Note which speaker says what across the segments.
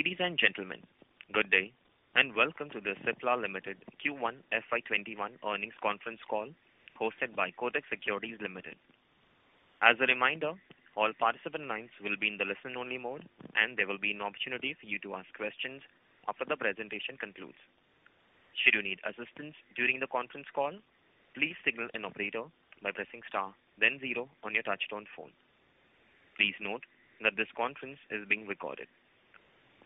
Speaker 1: Ladies and gentlemen, good day, and welcome to the Cipla Limited Q1 FY21 Earnings Conference Call hosted by Kotak Securities Limited. As a reminder, all participant lines will be in the listen-only mode, and there will be an opportunity for you to ask questions after the presentation concludes. Should you need assistance during the conference call, please signal an operator by pressing star, then zero on your touch-tone phone. Please note that this conference is being recorded.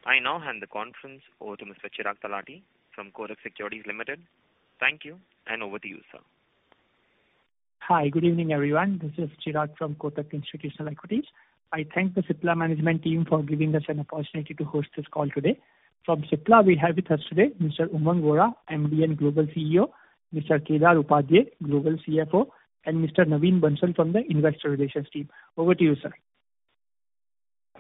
Speaker 1: I now hand the conference over to Mr. Chirag Talati from Kotak Securities Limited. Thank you, and over to you, sir.
Speaker 2: Hi, good evening, everyone. This is Chirag from Kotak Institutional Equities. I thank the Cipla Management Team for giving us an opportunity to host this call today. From Cipla, we have with us today Mr. Umang Vohra, MD and Global CEO, Mr. Kedar Upadhye, Global CFO, and Mr. Naveen Bansal from the Investor Relations Team. Over to you, sir.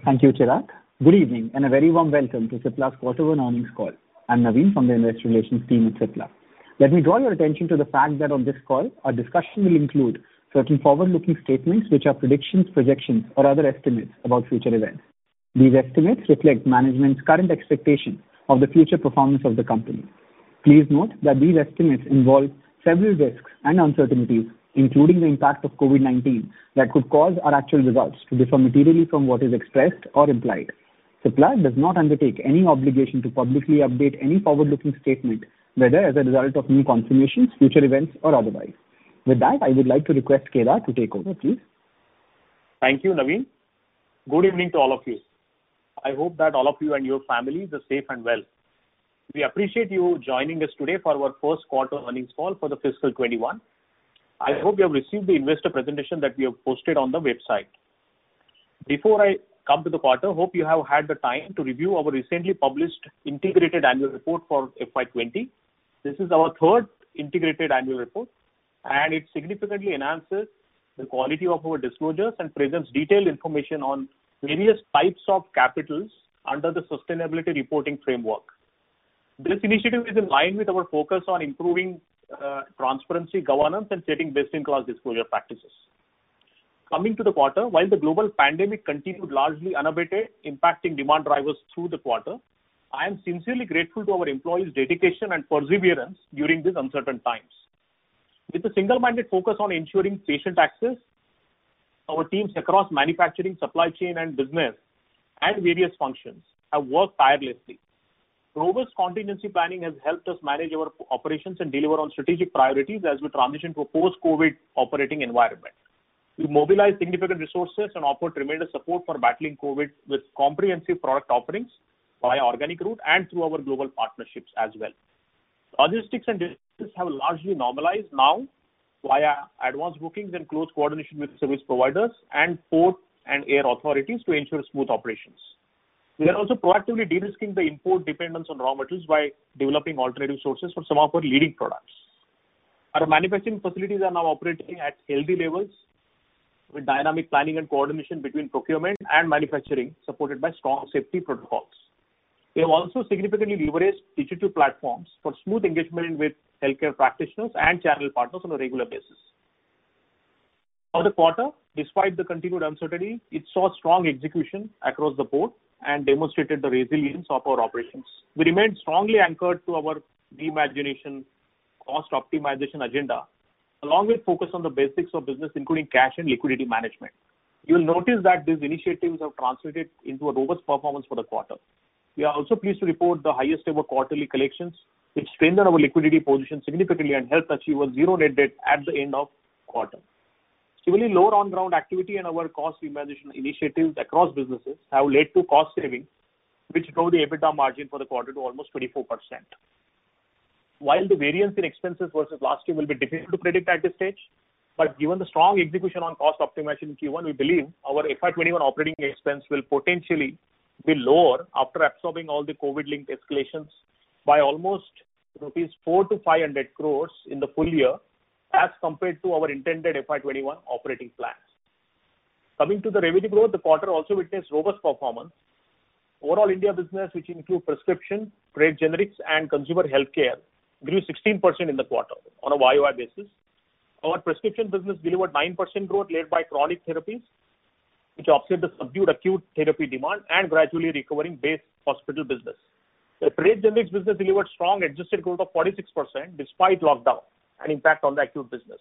Speaker 3: Thank you, Chirag. Good evening and a very warm welcome to Cipla's quarterly earnings call. I'm Naveen from the Investor Relations Team at Cipla. Let me draw your attention to the fact that on this call, our discussion will include certain forward-looking statements which are predictions, projections, or other estimates about future events. These estimates reflect management's current expectations of the future performance of the company. Please note that these estimates involve several risks and uncertainties, including the impact of COVID-19 that could cause our actual results to differ materially from what is expressed or implied. Cipla does not undertake any obligation to publicly update any forward-looking statement, whether as a result of new confirmations, future events, or otherwise. With that, I would like to request Kedar to take over, please.
Speaker 4: Thank you, Naveen. Good evening to all of you. I hope that all of you and your families are safe and well. We appreciate you joining us today for our Q1 earnings call for Fiscal 2021. I hope you have received the investor presentation that we have posted on the website. Before I come to the quarter, I hope you have had the time to review our recently published Integrated Annual Report for FY20. This is our third Integrated Annual Report, and it significantly enhances the quality of our disclosures and presents detailed information on various types of capitals under the Sustainability Reporting Framework. This initiative is in line with our focus on improving transparency, governance, and setting best-in-class disclosure practices. Coming to the quarter, while the global pandemic continued largely unabated, impacting demand drivers through the quarter, I am sincerely grateful to our employees' dedication and perseverance during these uncertain times. With a single-minded focus on ensuring patient access, our teams across manufacturing, supply chain, and business, and various functions, have worked tirelessly. Robust contingency planning has helped us manage our operations and deliver on strategic priorities as we transition to a post-COVID operating environment. We mobilized significant resources and offered tremendous support for battling COVID with comprehensive product offerings via organic route and through our global partnerships as well. Logistics and business have largely normalized now via advanced bookings and close coordination with service providers and port and air authorities to ensure smooth operations. We are also proactively de-risking the import dependence on raw materials by developing alternative sources for some of our leading products. Our manufacturing facilities are now operating at healthy levels with dynamic planning and coordination between procurement and manufacturing, supported by strong safety protocols. We have also significantly leveraged digital platforms for smooth engagement with healthcare practitioners and channel partners on a regular basis. For the quarter, despite the continued uncertainty, it saw strong execution across the board and demonstrated the resilience of our operations. We remained strongly anchored to our reimagination cost optimization agenda, along with a focus on the basics of business, including cash and liquidity management. You will notice that these initiatives have translated into a robust performance for the quarter. We are also pleased to report the highest-ever quarterly collections, which strengthened our liquidity position significantly and helped achieve a zero-net debt at the end of the quarter. Similarly, lower on-ground activity and our cost reimagination initiatives across businesses have led to cost savings, which drove the EBITDA margin for the quarter to almost 24%. While the variance in expenses versus last year will be difficult to predict at this stage. But given the strong execution on cost optimization in Q1, we believe our FY21 operating expense will potentially be lower after absorbing all the COVID-linked escalations by almost 400-500 crores rupees in the full year as compared to our intended FY21 operating plan. Coming to the revenue growth, the quarter also witnessed robust performance. Overall, India business, which includes prescription, trade generics, and consumer healthcare, grew 16% in the quarter on a YY basis. Our prescription business delivered 9% growth, led by chronic therapies, which offset the subdued acute therapy demand and gradually recovering base hospital business. The trade generics business delivered strong adjusted growth of 46% despite lockdown and impact on the acute business.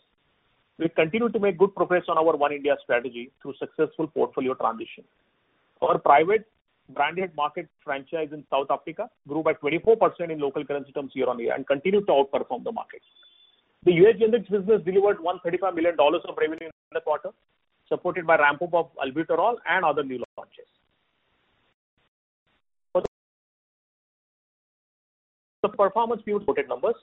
Speaker 4: We continue to make good progress on our One India strategy through successful portfolio transition. Our private branded market franchise in South Africa grew by 24% in local currency terms year-on-year and continued to outperform the market. The U.S. generics business delivered $135 million of revenue in the quarter, supported by ramp-up of albuterol and other new launches. The performance few reported numbers.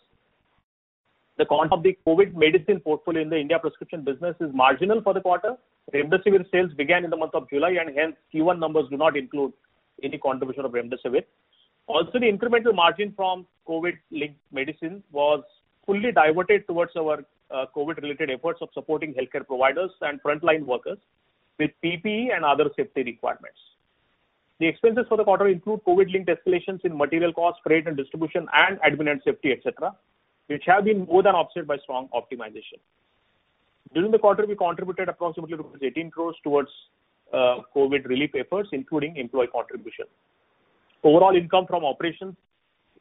Speaker 4: The cost of the COVID medicine portfolio in the India prescription business is marginal for the quarter. Remdesivir sales began in the month of July, and hence Q1 numbers do not include any contribution of Remdesivir. Also, the incremental margin from COVID-linked medicines was fully diverted towards our COVID-related efforts of supporting healthcare providers and frontline workers with PPE and other safety requirements. The expenses for the quarter include COVID-linked escalations in material cost, freight and distribution, and admin and safety, etc., which have been more than offset by strong optimization. During the quarter, we contributed approximately 18 crores towards COVID relief efforts, including employee contribution. Overall income from operations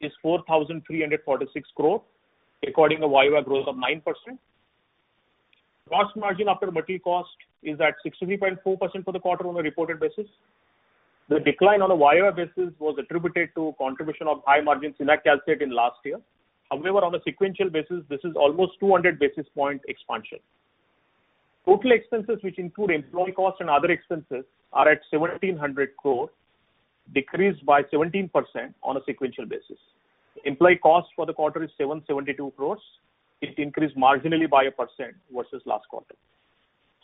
Speaker 4: is 4,346 crore, recording a YY growth of 9%. Cost margin after material cost is at 63.4% for the quarter on a reported basis. The decline on a YY basis was attributed to contribution of high-margin Cinacalcet in last year. However, on a sequential basis, this is almost 200 basis points expansion. Total expenses, which include employee cost and other expenses, are at 1,700 crore, decreased by 17% on a sequential basis. Employee cost for the quarter is 772 crores. It increased marginally by a percent versus last quarter.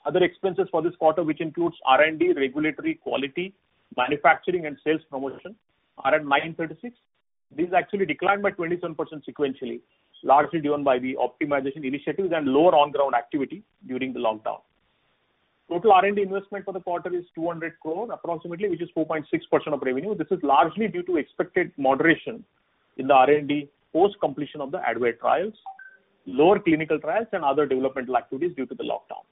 Speaker 4: Other expenses for this quarter, which includes R&D, regulatory, quality, manufacturing, and sales promotion, are at 936. These actually declined by 27% sequentially, largely driven by the optimization initiatives and lower on-ground activity during the lockdown. Total R&D investment for the quarter is 200 crore approximately, which is 4.6% of revenue. This is largely due to expected moderation in the R&D post-completion of the adverse trials, lower clinical trials, and other developmental activities due to the lockdown.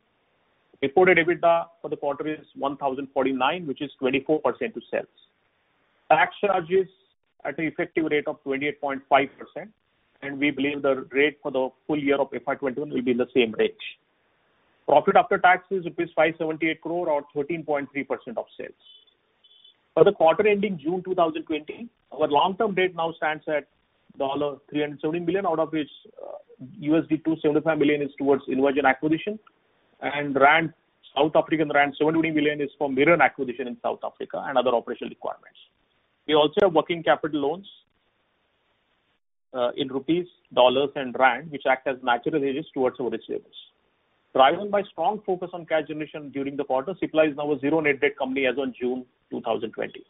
Speaker 4: Reported EBITDA for the quarter is 1,049, which is 24% of sales. Tax charges at an effective rate of 28.5%, and we believe the rate for the full year of FY21 will be in the same range. Profit after tax is rupees 578 crore, or 13.3% of sales. For Q2, our long-term debt now stands at $370 million, out of which $275 million is towards InvaGen acquisition, and 720 million rand is for Mirren acquisition in South Africa and other operational requirements. We also have working capital loans in rupees, dollars, and rand, which act as natural hedges towards our receivables. Driven by strong focus on cash generation during the quarter, Cipla is now a zero-net debt company as of June 2020.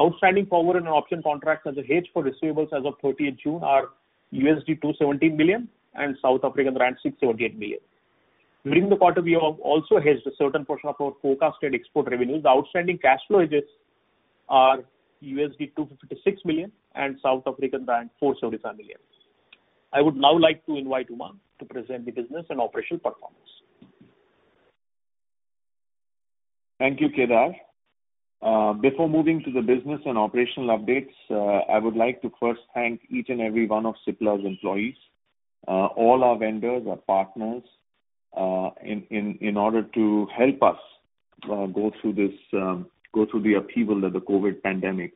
Speaker 4: Outstanding forward and option contracts as a hedge for receivables as of 30 June are $270 million and South African rand 678 million. During the quarter, we have also hedged a certain portion of our forecasted export revenues. The outstanding cash flow hedges are $256 million and 475 million. I would now like to invite Umang to present the business and operational performance.
Speaker 5: Thank you, Kedar. Before moving to the business and operational updates, I would like to first thank each and every one of Cipla's employees, all our vendors, our partners in order to help us go through the upheaval that the COVID pandemic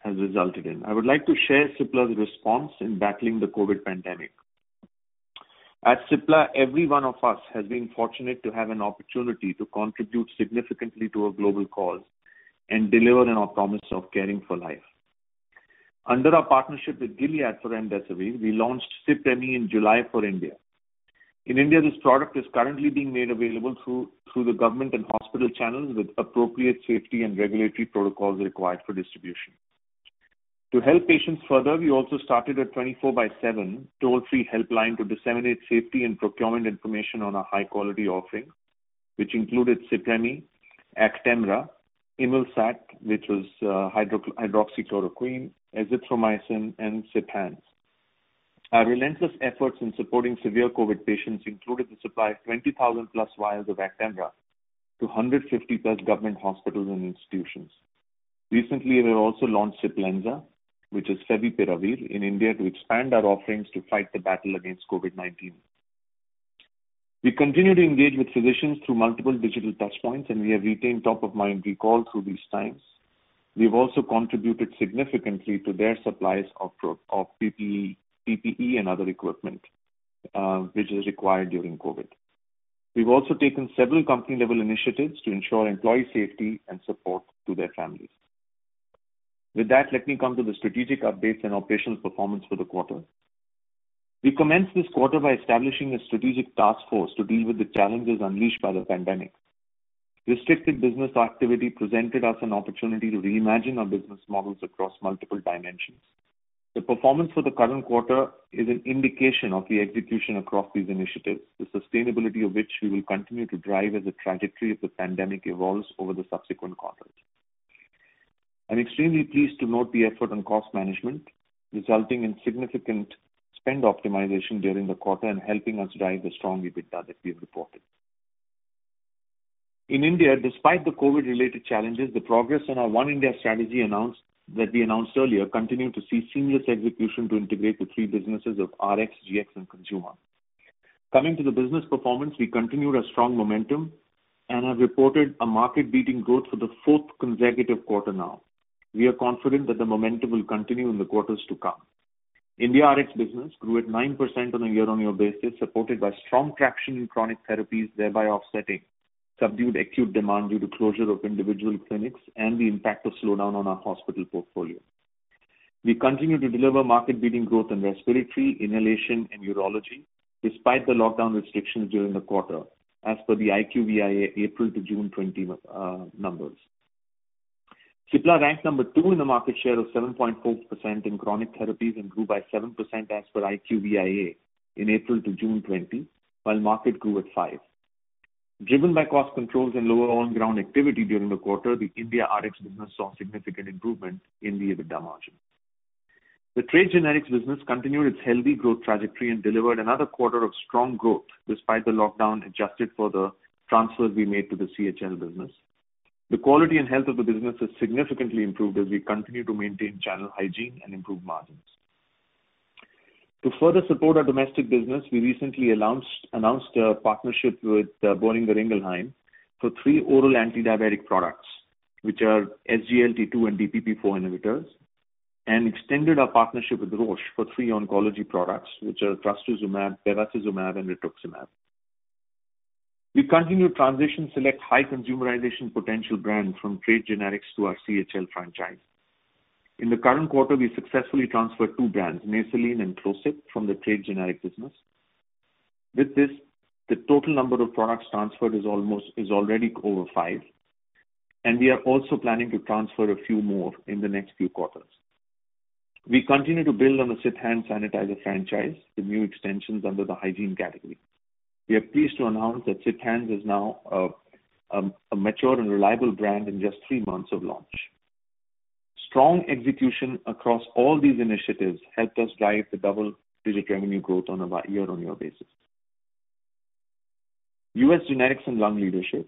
Speaker 5: has resulted in. I would like to share Cipla's response in battling the COVID pandemic. At Cipla, every one of us has been fortunate to have an opportunity to contribute significantly to a global cause and deliver on our promise of caring for life. Under our partnership with Gilead for Remdesivir, we launched Cipremi in July for India. In India, this product is currently being made available through the government and hospital channels with appropriate safety and regulatory protocols required for distribution. To help patients further, we also started a 24x7 toll-free helpline to disseminate safety and procurement information on our high-quality offerings, which included Cipremi, Actemra, Imelsat, which was hydroxychloroquine, azithromycin, and Ciphands. Our relentless efforts in supporting severe COVID patients included the supply of 20,000-plus vials of Actemra to 150-plus government hospitals and institutions. Recently, we have also launched Ciplenza, which is Favipiravir in India, to expand our offerings to fight the battle against COVID-19. We continue to engage with physicians through multiple digital touchpoints, and we have retained top-of-mind recall through these times. We have also contributed significantly to their supplies of PPE and other equipment, which is required during COVID. We've also taken several company-level initiatives to ensure employee safety and support to their families. With that, let me come to the strategic updates and operational performance for the quarter. We commenced this quarter by establishing a strategic task force to deal with the challenges unleashed by the pandemic. Restricted business activity presented us an opportunity to reimagine our business models across multiple dimensions. The performance for the current quarter is an indication of the execution across these initiatives, the sustainability of which we will continue to drive as the trajectory of the pandemic evolves over the subsequent quarters. I'm extremely pleased to note the effort on cost management, resulting in significant spend optimization during the quarter and helping us drive the strong EBITDA that we have reported. In India, despite the COVID-related challenges, the progress on our One India strategy announced earlier continued to see seamless execution to integrate the three businesses of RX, GX, and Consumer. Coming to the business performance, we continued our strong momentum and have reported a market-beating growth for the fourth consecutive quarter now. We are confident that the momentum will continue in the quarters to come. India RX business grew at 9% on a year-on-year basis, supported by strong traction in chronic therapies, thereby offsetting subdued acute demand due to closure of individual clinics and the impact of slowdown on our hospital portfolio. We continue to deliver market-beating growth in respiratory, inhalation, and urology despite the lockdown restrictions during the quarter, as per the IQVIA April to June 2020 numbers. Cipla ranked number two in the market share of 7.4% in chronic therapies and grew by 7% as per IQVIA in April to June 2020, while market grew at 5%. Driven by cost controls and lower on-ground activity during the quarter, the India RX business saw significant improvement in the EBITDA margin. The trade generics business continued its healthy growth trajectory and delivered another quarter of strong growth despite the lockdown adjusted for the transfers we made to the CHL business. The quality and health of the business has significantly improved as we continue to maintain channel hygiene and improve margins. To further support our domestic business, we recently announced a partnership with Boehringer Ingelheim for three oral antidiabetic products, which are SGLT2 and DPP-4 inhibitors, and extended our partnership with Roche for three oncology products, which are Trastuzumab, Bevacizumab, and Rituximab. We continue to transition select high-consumerization potential brands from trade generics to our CHL franchise. In the current quarter, we successfully transferred two brands, Naselin and Clocip, from the trade generic business. With this, the total number of products transferred is already over five, and we are also planning to transfer a few more in the next few quarters. We continue to build on the Ciphands sanitizer franchise, the new extensions under the hygiene category. We are pleased to announce that Ciphands is now a mature and reliable brand in just three months of launch. Strong execution across all these initiatives helped us drive the double-digit revenue growth on a year-on-year basis. U.S. generics and lung leadership.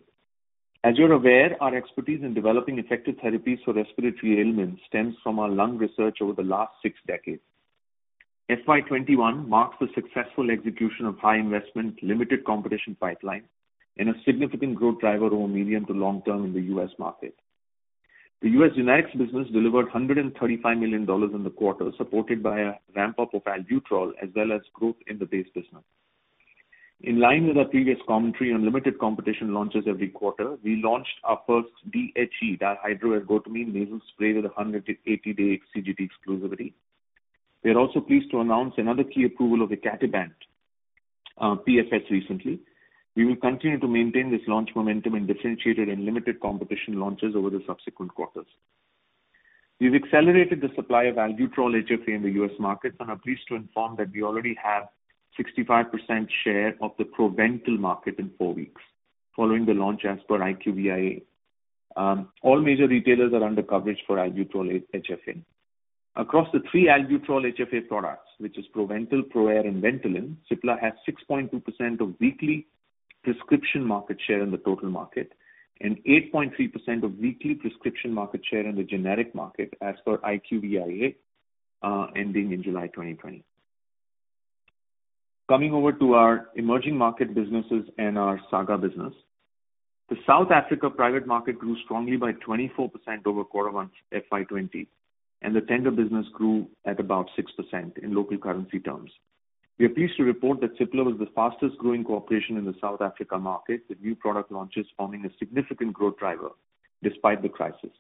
Speaker 5: As you're aware, our expertise in developing effective therapies for respiratory ailments stems from our lung research over the last six decades. FY21 marks the successful execution of high-investment, limited-competition pipeline and a significant growth driver over medium to long term in the U.S. market. The U.S. generics business delivered $135 million in the quarter, supported by a ramp-up of albuterol as well as growth in the base business. In line with our previous commentary on limited-competition launches every quarter, we launched our first DHE, dihydroergotamine nasal spray with 180-day CGT exclusivity. We are also pleased to announce another key approval of Icatibant PFS recently. We will continue to maintain this launch momentum in differentiated and limited-competition launches over the subsequent quarters. We've accelerated the supply of albuterol HFA in the U.S. markets and are pleased to inform that we already have a 65% share of the Proventil market in four weeks following the launch as per IQVIA. All major retailers are under coverage for albuterol HFA. Across the three albuterol HFA products, which are Proventil, ProAir, and Ventolin, Cipla has 6.2% of weekly prescription market share in the total market and 8.3% of weekly prescription market share in the generic market as per IQVIA ending in July 2020. Coming over to our emerging market businesses and our SAGA business, the South Africa private market grew strongly by 24% over Q1 fy 2020, and the tender business grew at about 6% in local currency terms. We are pleased to report that Cipla was the fastest-growing corporation in the South Africa market with new product launches forming a significant growth driver despite the crisis.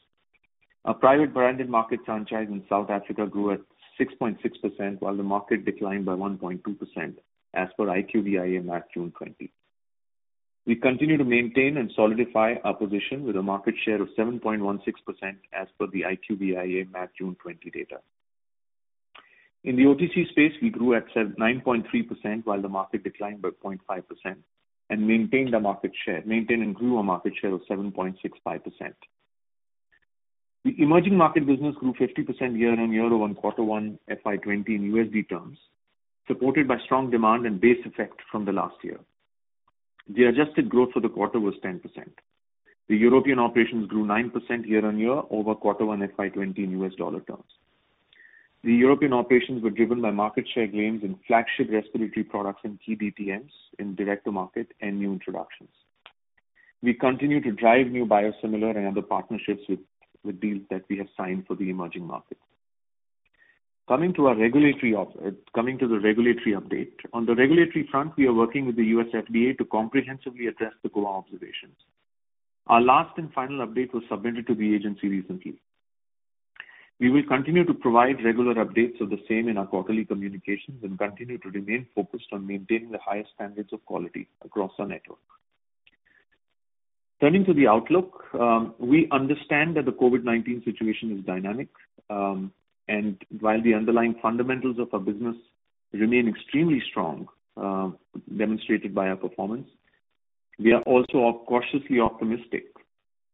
Speaker 5: Our private branded market franchise in South Africa grew at 6.6% while the market declined by 1.2% as per IQVIA MAT June 2020. We continue to maintain and solidify our position with a market share of 7.16% as per the IQVIA MAT June 2020 data. In the OTC space, we grew at 9.3% while the market declined by 0.5% and maintained a market share, maintained and grew a market share of 7.65%. The emerging market business grew 50% year-on-year over Q1 FY20 in USD terms, supported by strong demand and base effect from the last year. The adjusted growth for the quarter was 10%. The European operations grew 9% year-on-year over Q1 FY20 in US dollar terms. The European operations were driven by market share gains in flagship respiratory products and key DTMs in direct-to-market and new introductions. We continue to drive new biosimilar and other partnerships with deals that we have signed for the emerging market. Coming to the regulatory update, on the regulatory front, we are working with the US FDA to comprehensively address the Goa observations. Our last and final update was submitted to the agency recently. We will continue to provide regular updates of the same in our quarterly communications and continue to remain focused on maintaining the highest standards of quality across our network. Turning to the outlook, we understand that the COVID-19 situation is dynamic, and while the underlying fundamentals of our business remain extremely strong, demonstrated by our performance, we are also cautiously optimistic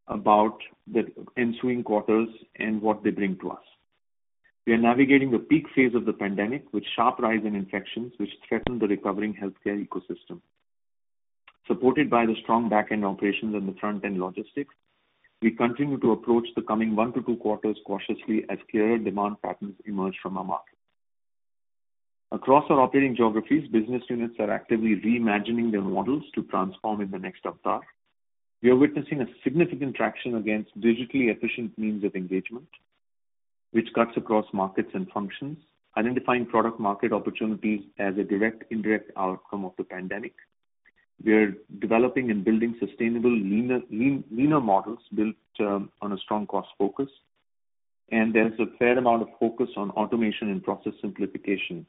Speaker 5: about the ensuing quarters and what they bring to us. We are navigating the peak phase of the pandemic with sharp rise in infections which threaten the recovering healthcare ecosystem. Supported by the strong back-end operations and the front-end logistics, we continue to approach the coming one to two quarters cautiously as clearer demand patterns emerge from our market. Across our operating geographies, business units are actively reimagining their models to transform in the next quarter. We are witnessing a significant traction against digitally efficient means of engagement, which cuts across markets and functions, identifying product-market opportunities as a direct, indirect outcome of the pandemic. We are developing and building sustainable leaner models built on a strong cost focus, and there's a fair amount of focus on automation and process simplification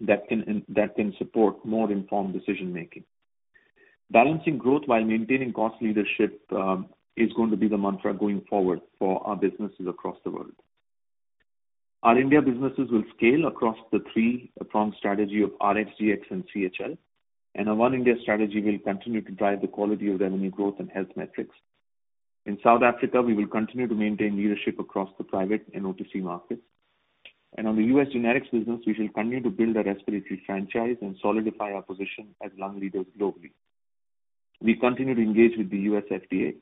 Speaker 5: that can support more informed decision-making. Balancing growth while maintaining cost leadership is going to be the mantra going forward for our businesses across the world. Our India businesses will scale across the three strong strategies of RX, GX, and CHL, and our One India strategy will continue to drive the quality of revenue growth and health metrics. In South Africa, we will continue to maintain leadership across the private and OTC markets. On the US generics business, we shall continue to build our respiratory franchise and solidify our position as lung leaders globally. We continue to engage with the US FDA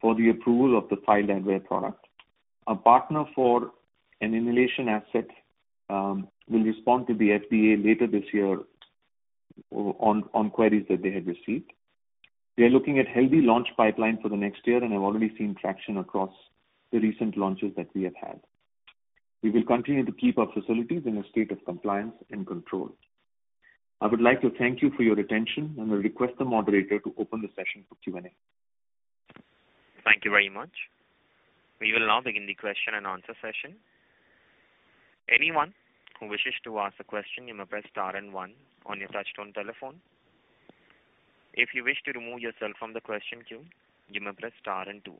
Speaker 5: for the approval of the Advair product. Our partner for an inhalation asset will respond to the FDA later this year on queries that they have received. We are looking at a healthy launch pipeline for the next year, and I've already seen traction across the recent launches that we have had. We will continue to keep our facilities in a state of compliance and control. I would like to thank you for your attention and will request the moderator to open the session for Q&A.
Speaker 2: Thank you very much. We will now begin the question and answer session. Anyone who wishes to ask a question you may press star and one on your touch-tone telephone. If you wish to remove yourself from the question queue, you may press star and two.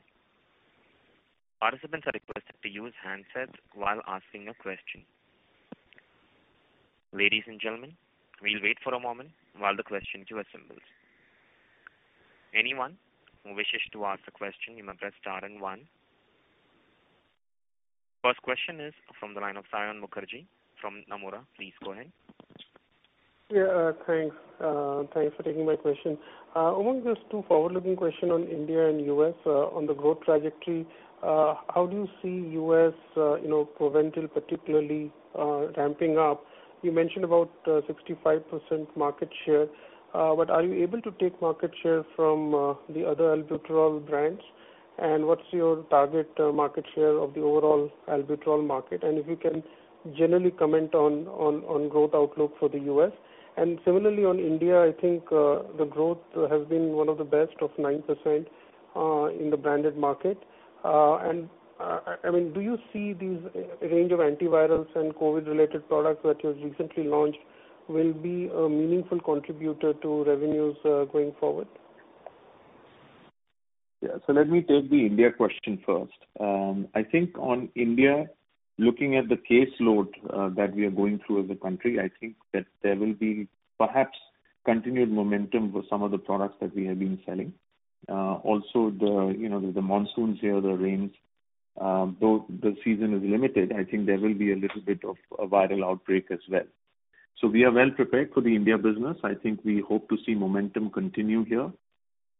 Speaker 2: Participants are requested to use handsets while asking a question. Ladies and gentlemen, we'll wait for a moment while the question queue assembles. Anyone who wishes to ask a question, you may press star and one. First question is from the line of Saion Mukherjee from Nomura. Please go ahead.
Speaker 6: Yeah, thanks. Thanks for taking my question. Among those two forward-looking questions on India and US on the growth trajectory, how do you see US Proventil, particularly ramping up? You mentioned about 65% market share, but are you able to take market share from the other albuterol brands? And what's your target market share of the overall albuterol market? And if you can generally comment on growth outlook for the U.S. And similarly on India, I think the growth has been one of the best of 9% in the branded market. And I mean, do you see these range of antivirals and COVID-related products that you have recently launched will be a meaningful contributor to revenues going forward?
Speaker 5: Yeah, so let me take the India question first. I think on India, looking at the caseload that we are going through as a country, I think that there will be perhaps continued momentum for some of the products that we have been selling. Also, the monsoons here, the rains, though the season is limited, I think there will be a little bit of a viral outbreak as well. So we are well prepared for the India business. I think we hope to see momentum continue here.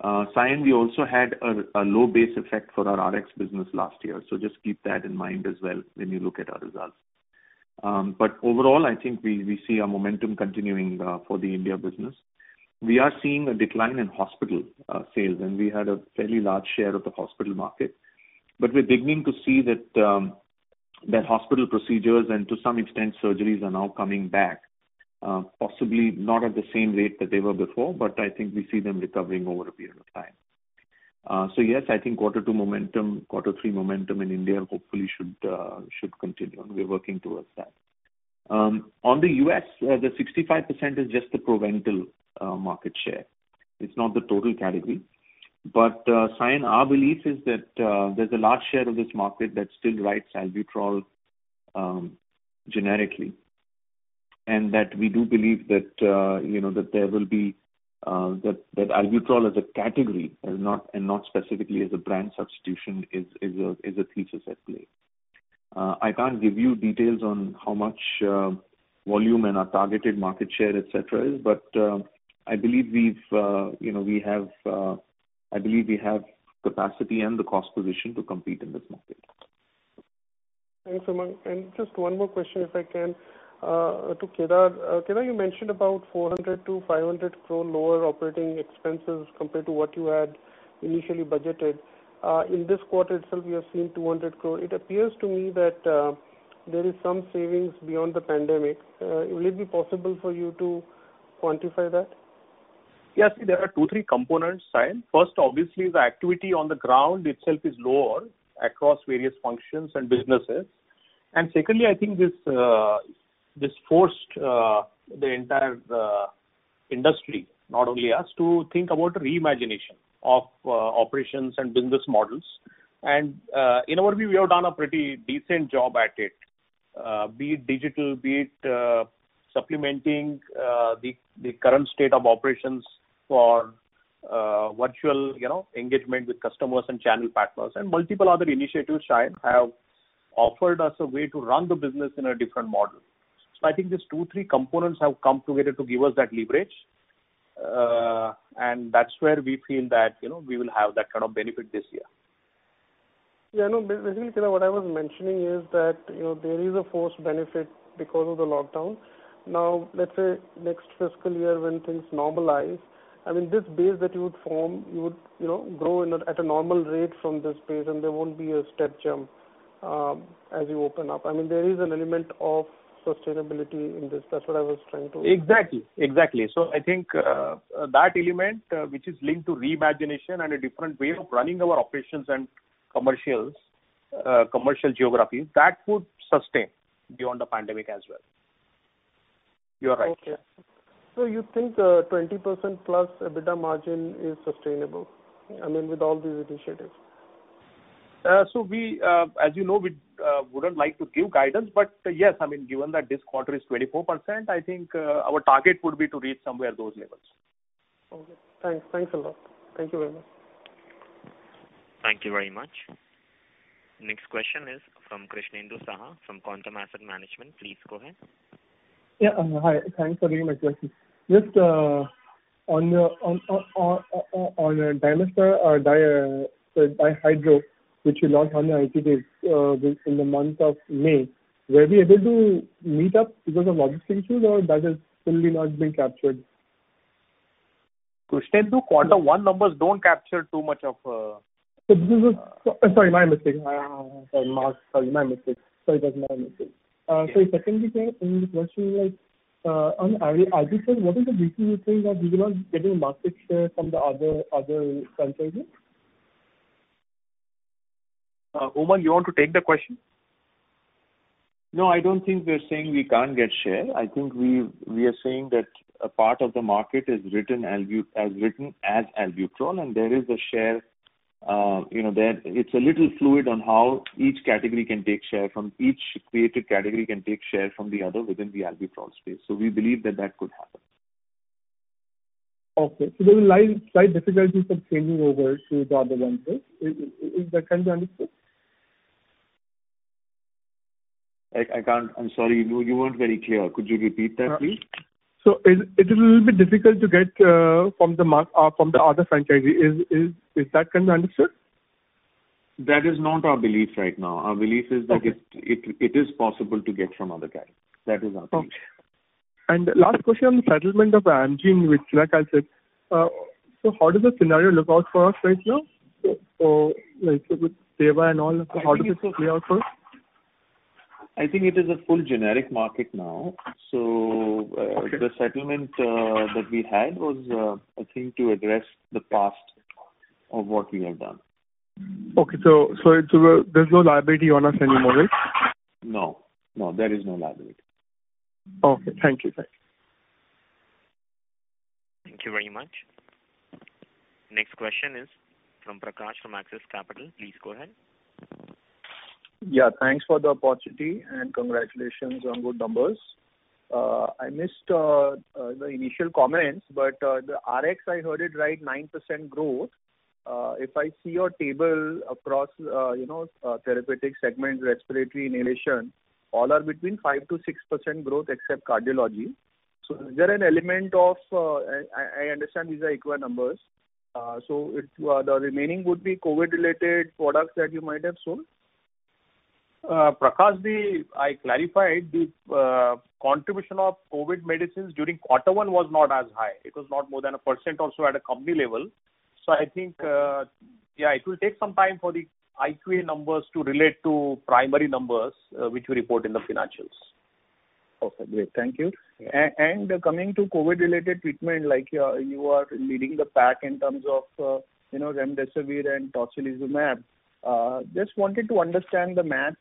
Speaker 5: Sayan, we also had a low base effect for our RX business last year, so just keep that in mind as well when you look at our results. But overall, I think we see our momentum continuing for the India business. We are seeing a decline in hospital sales, and we had a fairly large share of the hospital market. But we're beginning to see that hospital procedures and to some extent surgeries are now coming back, possibly not at the same rate that they were before, but I think we see them recovering over a period of time. So yes, I think Q2 momentum, Q2 momentum in India hopefully should continue, and we're working towards that. On the US, the 65% is just the Proventil market share. It's not the total category. But Sayan, our belief is that there's a large share of this market that still writes albuterol generically and that we do believe that there will be that albuterol as a category and not specifically as a brand substitution is a thesis at play. I can't give you details on how much volume and our targeted market share, etc., but I believe we have capacity and the cost position to compete in this market.
Speaker 6: Thanks, Umang. And just one more question if I can. To Kedar, you mentioned about 400-500 crore lower operating expenses compared to what you had initially budgeted. In this quarter itself, we have seen 200 crore. It appears to me that there is some savings beyond the pandemic. Will it be possible for you to quantify that?
Speaker 4: Yes, there are two, three components, Sayan. First, obviously, the activity on the ground itself is lower across various functions and businesses. And secondly, I think this forced the entire industry, not only us, to think about reimagination of operations and business models. And in our view, we have done a pretty decent job at it, be it digital, be it supplementing the current state of operations for virtual engagement with customers and channel partners and multiple other initiatives that have offered us a way to run the business in a different model. So I think these two, three components have come together to give us that leverage, and that's where we feel that we will have that kind of benefit this year.
Speaker 6: Yeah, no, basically, Kedar, what I was mentioning is that there is a forced benefit because of the lockdown. Now, let's say next fiscal year when things normalize, I mean, this base that you would form, you would grow at a normal rate from this base, and there won't be a step jump as you open up. I mean, there is an element of sustainability in this. That's what I was trying to.
Speaker 4: Exactly. Exactly. So I think that element, which is linked to reimagination and a different way of running our operations and commercial geographies, that would sustain beyond the pandemic as well. You are right.
Speaker 6: Okay. So you think 20% plus EBITDA margin is sustainable, I mean, with all these initiatives? So as you know, we wouldn't like to give guidance, but yes, I mean, given that this quarter is 24%, I think our target would be to reach somewhere those levels. Okay. Thanks. Thanks a lot. Thank you very much. Thank you very much. Next question is from Krishnendu Saha from Quantum Asset Management. Please go ahead.
Speaker 7: Yeah. Hi. Thanks for taking my question. Just on DPP-4, the SGLT2, which you launched in the initial days in the month of May, were we able to ramp up because of logistics issues, or that has fully not been captured?
Speaker 4: Krishnendu, Q1 numbers don't capture too much of.
Speaker 7: So this is a, sorry, my mistake. I'm sorry, Mark's telling my mistake. Sorry, that's my mistake. Sorry, secondly, Kedar, in the question, on the Albuterol, what is the reason you think that we will not get a market share from the other franchises?
Speaker 4: Umang, you want to take the question?
Speaker 5: No, I don't think we're saying we can't get share. I think we are saying that a part of the market is written as Albuterol, and there is a share that it's a little fluid on how each category can take share from each created category can take share from the other within the Albuterol space. So we believe that that could happen.
Speaker 7: Okay. So there's a slight difficulty for changing over to the other ones. Is that kind of understood?
Speaker 5: I'm sorry, you weren't very clear. Could you repeat that, please?
Speaker 7: So it is a little bit difficult to get from the other franchises. Is that kind of understood?
Speaker 5: That is not our belief right now. Our belief is that it is possible to get from other categories. That is our belief.
Speaker 7: Okay, and last question on the settlement of Amgen with Cinacalcet. So how does the scenario look out for us right now? So with Teva and all, how does it play out for us?
Speaker 5: I think it is a full generic market now. So the settlement that we had was a thing to address the past of what we have done. Okay.
Speaker 7: So there's no liability on us anymore, right?
Speaker 5: No. No, there is no liability.
Speaker 7: Okay. Thank you.
Speaker 3: Thank you.
Speaker 2: Thank you very much. Next question is from Prakash from Axis Capital. Please go ahead.
Speaker 8: Yeah. Thanks for the opportunity and congratulations on good numbers. I missed the initial comments, but the RX, I heard it right, 9% growth. If I see your table across therapeutic segments, respiratory inhalation, all are between 5%-6% growth except cardiology. So is there an element of? I understand these are equal numbers. So the remaining would be COVID-related products that you might have sold?
Speaker 4: Prakash, I clarified the contribution of COVID medicines during Q1 was not as high. It was not more than 1% or so at a company level. So I think, yeah, it will take some time for the IQVIA numbers to relate to primary numbers which we report in the financials.
Speaker 8: Okay. Great. Thank you. And coming to COVID-related treatment, you are leading the pack in terms of Remdesivir and Tocilizumab. Just wanted to understand the math.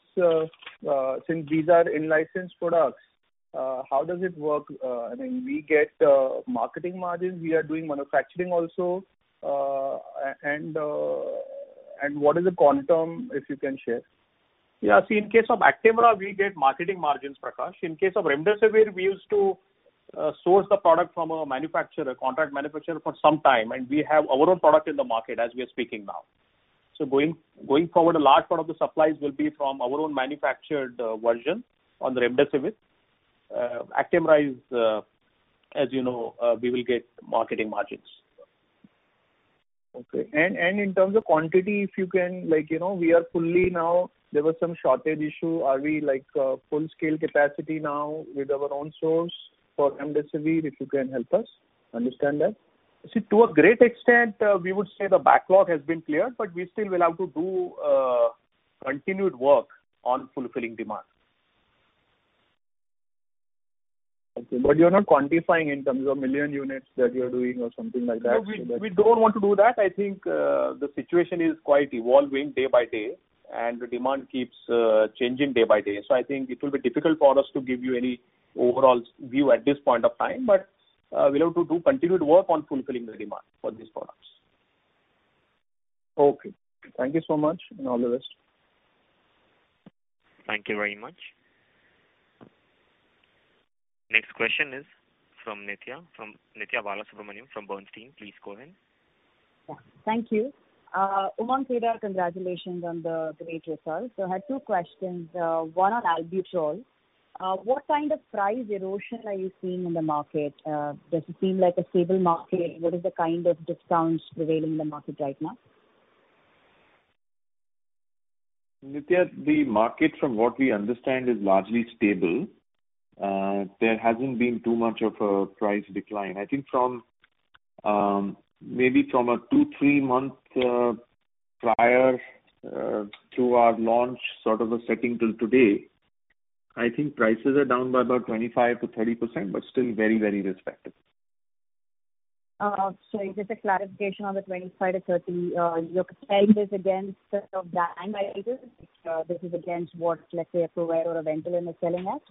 Speaker 8: Since these are in-licensed products, how does it work? I mean, we get marketing margins. We are doing manufacturing also. And what is the quantum, if you can share?
Speaker 4: Yeah. See, in case of Actemra, we get marketing margins, Prakash. In case of Remdesivir, we used to source the product from a manufacturer, contract manufacturer for some time, and we have our own product in the market as we are speaking now. So going forward, a large part of the supplies will be from our own manufactured version on the Remdesivir. Actemra, as you know, we will get marketing margins.
Speaker 8: Okay. And in terms of quantity, if you can, we are fully now, there was some shortage issue. Are we full-scale capacity now with our own source for Remdesivir, if you can help us understand that?
Speaker 4: See, to a great extent, we would say the backlog has been cleared, but we still will have to do continued work on fulfilling demand.
Speaker 8: But you're not quantifying in terms of million units that you're doing or something like that.
Speaker 4: We don't want to do that. I think the situation is quite evolving day by day, and the demand keeps changing day by day. So I think it will be difficult for us to give you any overall view at this point of time, but we'll have to do continued work on fulfilling the demand for these products.
Speaker 8: Okay. Thank you so much and all the best.
Speaker 2: Thank you very much. Next question is from Nithya Balasubramaniam from Bernstein. Please go ahead.
Speaker 9: Thank you. Umang, Kedar, congratulations on the great result. So I had two questions. One on Albuterol. What kind of price erosion are you seeing in the market? Does it seem like a stable market? What is the kind of discounts prevailing in the market right now?
Speaker 5: Nithya, the market, from what we understand, is largely stable. There hasn't been too much of a price decline. I think maybe from a two, three months prior to our launch sort of a setting till today, I think prices are down by about 25%-30%, but still very, very respectable.
Speaker 9: Sorry, just a clarification on the 25 to 30. You're selling this against the incumbent by any chance? This is against what, let's say, a ProAir or a Ventolin is selling at?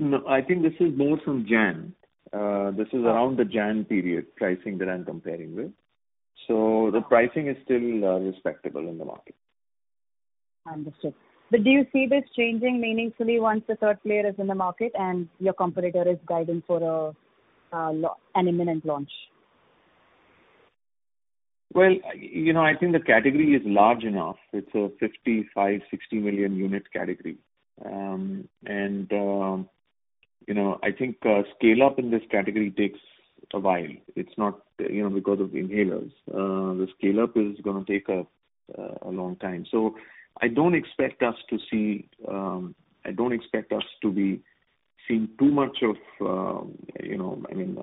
Speaker 5: No, I think this is more from January. This is around the January period pricing that I'm comparing with. So the pricing is still respectable in the market.
Speaker 9: Understood. But do you see this changing meaningfully once the third player is in the market and your competitor is guiding for an imminent launch?
Speaker 5: Well, I think the category is large enough. It's a 55-60 million unit category. And I think scale-up in this category takes a while. It's not because of inhalers. The scale-up is going to take a long time. So I don't expect us to be seeing too much of—I mean,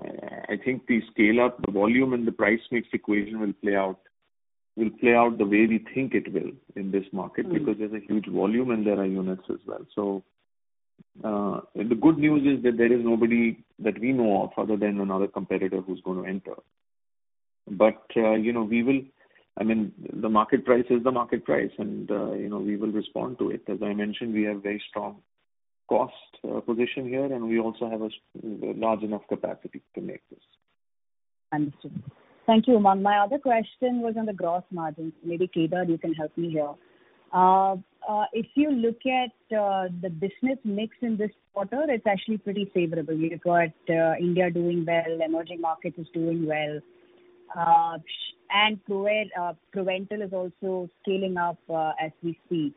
Speaker 5: I think the scale-up, the volume, and the price mix equation will play out the way we think it will in this market because there's a huge volume and there are units as well. So the good news is that there is nobody that we know of other than another competitor who's going to enter. But we will—I mean, the market price is the market price, and we will respond to it. As I mentioned, we have a very strong cost position here, and we also have a large enough capacity to make this.
Speaker 9: Understood. Thank you, Umang. My other question was on the gross margins. Maybe Kedar, you can help me here. If you look at the business mix in this quarter, it's actually pretty favorable. You've got India doing well, emerging markets doing well, and Proventil is also scaling up as we speak.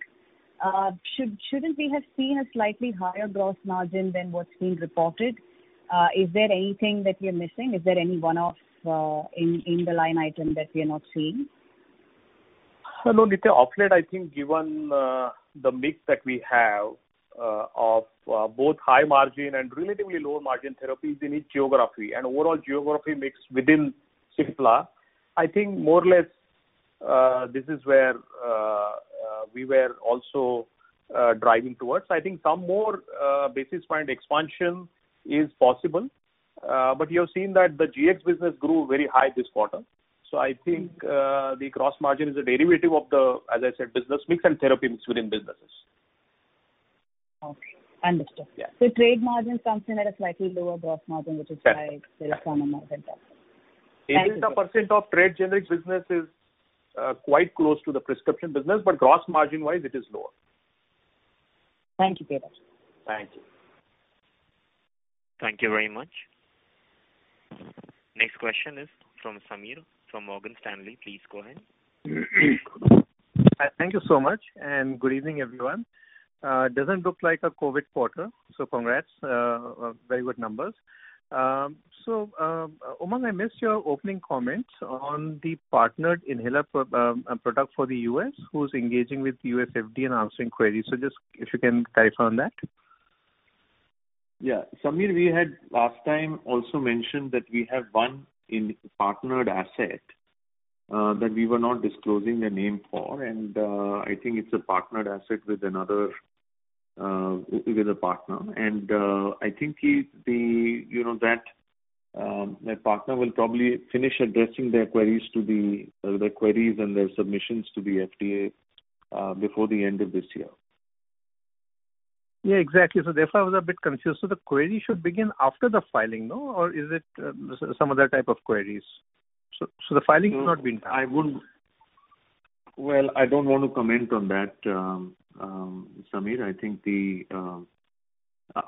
Speaker 9: Shouldn't we have seen a slightly higher gross margin than what's being reported? Is there anything that we are missing? Is there any one-off in the line item that we are not seeing?
Speaker 4: No, Nithya, offset, I think, given the mix that we have of both high margin and relatively low margin therapies in each geography and overall geography mix within Cipla, I think more or less this is where we were also driving towards. I think some more basis point expansion is possible. But you have seen that the GX business grew very high this quarter. So I think the gross margin is a derivative of the, as I said, business mix and therapy mix within businesses.
Speaker 9: Okay. Understood. So trade margin comes in at a slightly lower gross margin, which is why there is some amount of impact.
Speaker 4: 80% of trade generic business is quite close to the prescription business, but gross margin-wise, it is lower.
Speaker 9: Thank you, Kedar.
Speaker 4: Thank you.
Speaker 2: Thank you very much. Next question is from Sameer from Morgan Stanley. Please go ahead.
Speaker 10: Thank you so much. And good evening, everyone. Doesn't look like a COVID quarter, so congrats. Very good numbers. So Umang, I missed your opening comments on the partnered inhaler product for the US who's engaging with U.S. FDA and answering queries. So just if you can clarify on that.
Speaker 5: Yeah. Sameer, we had last time also mentioned that we have one partnered asset that we were not disclosing the name for, and I think it's a partnered asset with another partner. I think that my partner will probably finish addressing their queries and their submissions to the FDA before the end of this year.
Speaker 10: Yeah, exactly. Therefore I was a bit confused. The query should begin after the filing, no? Or is it some other type of queries? The filing has not been done.
Speaker 5: Well, I don't want to comment on that, Sameer. I think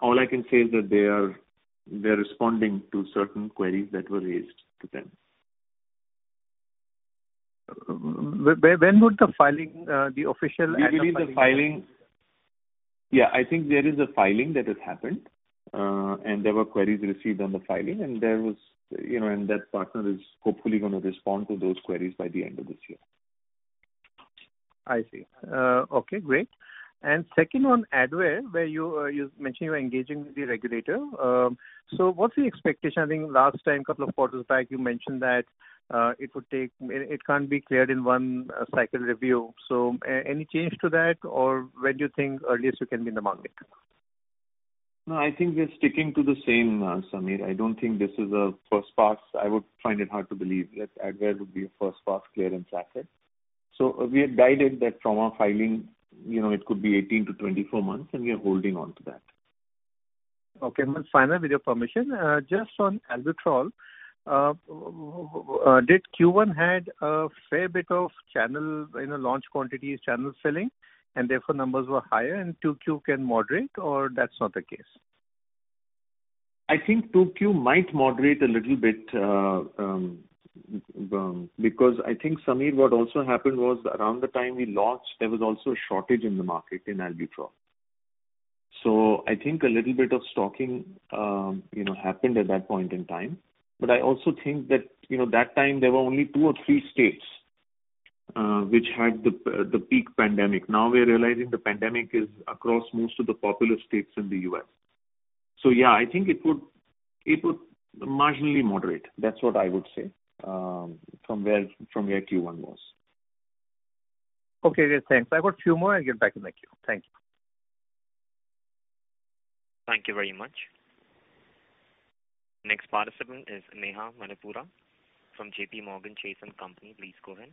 Speaker 5: all I can say is that they are responding to certain queries that were raised to them.
Speaker 10: When would the filing, the official filing?
Speaker 5: Yeah, I think there is a filing that has happened, and there were queries received on the filing, and that partner is hopefully going to respond to those queries by the end of this year.
Speaker 10: I see. Okay. Great. Second on Advair, where you mentioned you're engaging with the regulator. So what's the expectation? I think last time, a couple of quarters back, you mentioned that it would take—it can't be cleared in one cycle review. So any change to that, or when do you think earliest you can be in the market?
Speaker 5: No, I think we're sticking to the same, Sameer. I don't think this is a first pass. I would find it hard to believe that Advair would be a first pass clear and 180-day. So we are guided that from our filing, it could be 18-24 months, and we are holding on to that.
Speaker 10: Okay. Final, with your permission, just on Albuterol, did Q1 had a fair bit of channel launch quantities, channel filling, and therefore numbers were higher, and 2Q can moderate, or that's not the case?
Speaker 5: I think 2Q might moderate a little bit because I think Sameer, what also happened was around the time we launched, there was also a shortage in the market in Albuterol. So I think a little bit of stocking happened at that point in time. But I also think that that time there were only two or three states which had the peak pandemic. Now we're realizing the pandemic is across most of the popular states in the U.S. So yeah, I think it would marginally moderate. That's what I would say from where Q1 was.
Speaker 10: Okay. Great. Thanks. I've got a few more. I'll get back in the queue. Thank you.
Speaker 2: Thank you very much. Next participant is Neha Manpuria from JPMorgan Chase and Company. Please go ahead.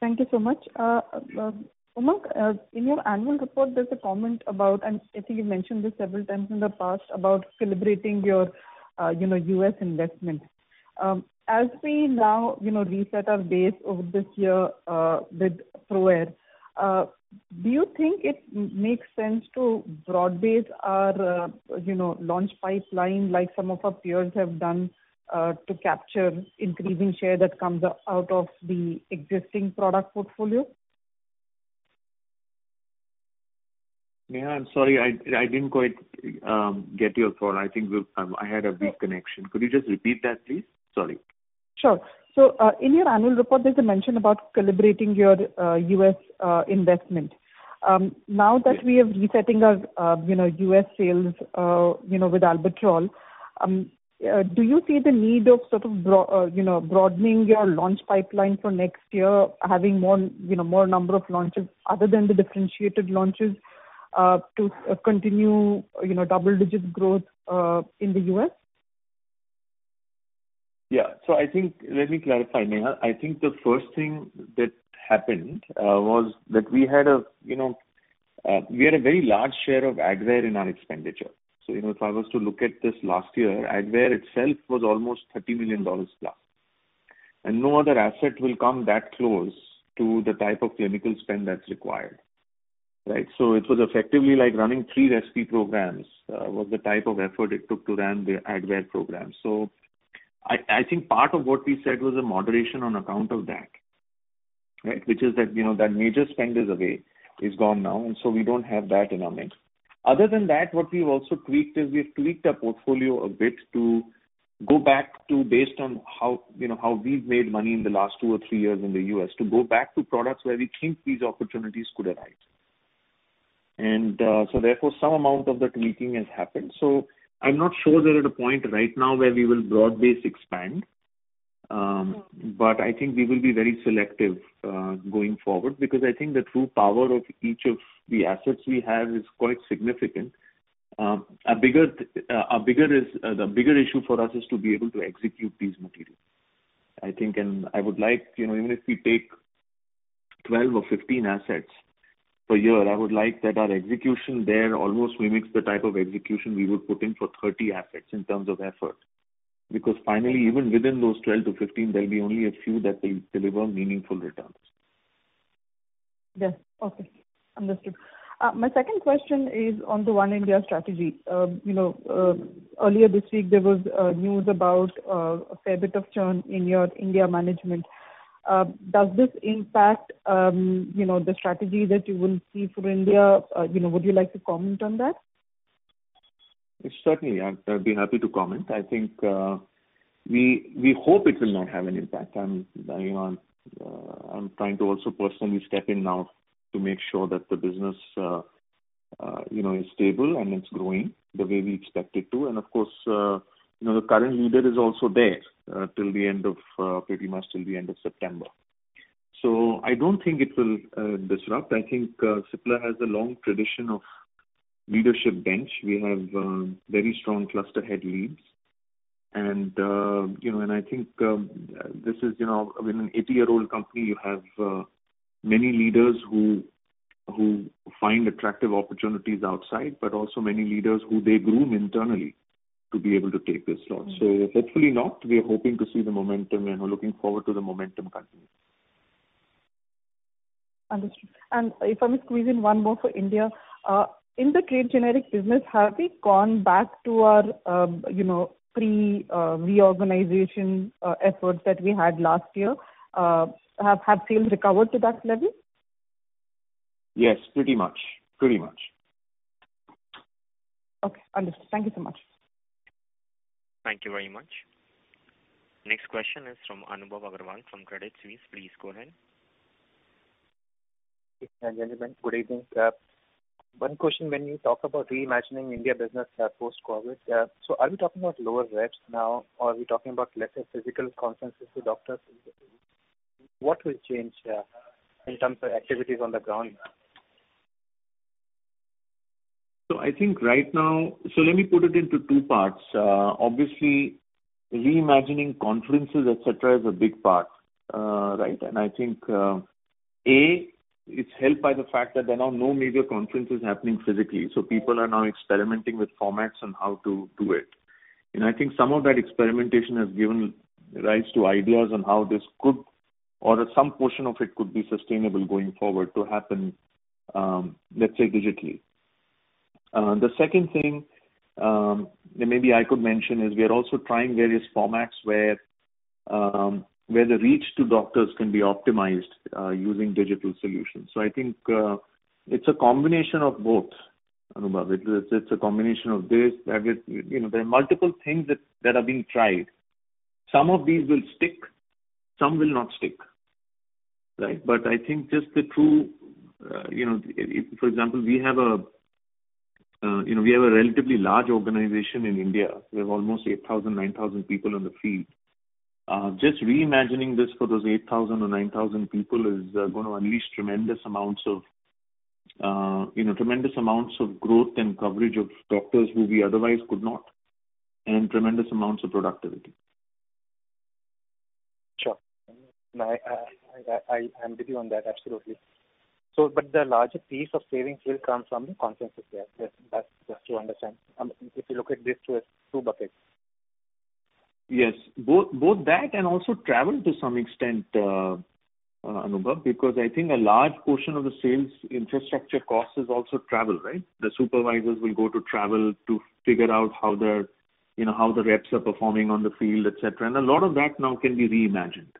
Speaker 2: Thank you so much.
Speaker 11: Umang, in your annual report, there's a comment about—and I think you've mentioned this several times in the past—about calibrating your U.S. investment. As we now reset our base over this year with ProAir, do you think it makes sense to broaden our launch pipeline like some of our peers have done to capture increasing share that comes out of the existing product portfolio?
Speaker 5: Neha, I'm sorry. I didn't quite get your call. I think I had a weak connection. Could you just repeat that, please? Sorry.
Speaker 11: Sure. So in your annual report, there's a mention about calibrating your U.S. investment. Now that we are resetting our U.S. sales with albuterol, do you see the need of sort of broadening your launch pipeline for next year, having more number of launches other than the differentiated launches to continue double-digit growth in the U.S.?
Speaker 5: Yeah. So I think let me clarify, Neha. I think the first thing that happened was that we had a very large share of Advair in our expenditure. So if I was to look at this last year, Advair itself was almost $30 million plus. And no other asset will come that close to the type of clinical spend that's required, right? So it was effectively like running three rescue programs was the type of effort it took to run the Advair program. So I think part of what we said was a moderation on account of that, right, which is that that major spend is gone now, and so we don't have that in our mix. Other than that, what we've also tweaked is we've tweaked our portfolio a bit to go back to, based on how we've made money in the last two or three years in the U.S. to go back to products where we think these opportunities could arise, and so therefore, some amount of the tweaking has happened, so I'm not sure there is a point right now where we will broadly expand, but I think we will be very selective going forward because I think the true power of each of the assets we have is quite significant. The bigger issue for us is to be able to execute these materials, I think, and I would like even if we take 12 or 15 assets per year, I would like that our execution there almost mimics the type of execution we would put in for 30 assets in terms of effort because finally, even within those 12 to 15, there'll be only a few that will deliver meaningful returns.
Speaker 11: Yes. Okay. Understood. My second question is on the One India strategy. Earlier this week, there was news about a fair bit of churn in your India management. Does this impact the strategy that you would see for India? Would you like to comment on that?
Speaker 5: Certainly, I'd be happy to comment. I think we hope it will not have an impact. I'm trying to also personally step in now to make sure that the business is stable and it's growing the way we expect it to. And of course, the current leader is also there till the end of pretty much till the end of September. So I don't think it will disrupt. I think Cipla has a long tradition of leadership bench. We have very strong cluster head leads. And I think this is, I mean, an 80-year-old company. You have many leaders who find attractive opportunities outside, but also many leaders who they groom internally to be able to take this slot. So hopefully not. We are hoping to see the momentum, and we're looking forward to the momentum coming.
Speaker 11: Understood. And if I may squeeze in one more for India, in the trade generic business, have we gone back to our pre-reorganization efforts that we had last year? Have sales recovered to that level?
Speaker 5: Yes, pretty much. Pretty much.
Speaker 11: Okay. Understood. Thank you so much.
Speaker 2: Thank you very much. Next question is from Anubhav Agarwal from Credit Suisse. Please go ahead. Good evening.
Speaker 12: One question. When you talk about reimagining India business post-COVID, so are we talking about lower reps now, or are we talking about lesser physical conferences with doctors? What will change in terms of activities on the ground?
Speaker 5: So I think right now, so let me put it into two parts. Obviously, reimagining conferences, etc., is a big part, right? And I think, A, it's helped by the fact that there are now no major conferences happening physically. So people are now experimenting with formats and how to do it. And I think some of that experimentation has given rise to ideas on how this could, or some portion of it could be sustainable going forward to happen, let's say, digitally. The second thing that maybe I could mention is we are also trying various formats where the reach to doctors can be optimized using digital solutions. So I think it's a combination of both, Anubhav. It's a combination of this. There are multiple things that are being tried. Some of these will stick. Some will not stick, right? But I think, for example, we have a relatively large organization in India. We have almost 8,000, 9,000 people in the field. Just reimagining this for those 8,000 or 9,000 people is going to unleash tremendous amounts of growth and coverage of doctors who we otherwise could not, and tremendous amounts of productivity.
Speaker 12: Sure. I'm with you on that. Absolutely, but the larger piece of savings will come from the conferences there. That's to understand. If you look at this through two buckets,
Speaker 5: yes, both that and also travel to some extent, Anubhav, because I think a large portion of the sales infrastructure cost is also travel, right? The supervisors will go to travel to figure out how the reps are performing on the field, etc., and a lot of that now can be reimagined,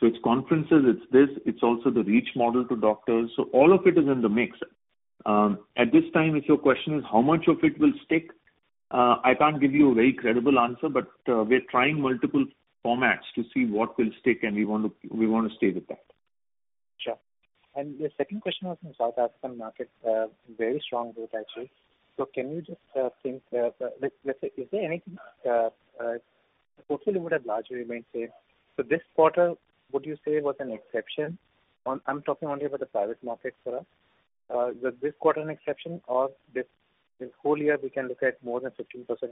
Speaker 5: so it's conferences, it's this, it's also the reach model to doctors, so all of it is in the mix. At this time, if your question is how much of it will stick, I can't give you a very credible answer, but we're trying multiple formats to see what will stick, and we want to stay with that.
Speaker 12: Sure, and the second question was on South African market. Very strong growth, actually. So can you just think, let's say, is there anything the portfolio would have largely remained the same? So this quarter, would you say it was an exception? I'm talking only about the private market for us. Was this quarter an exception, or this whole year we can look at more than 15%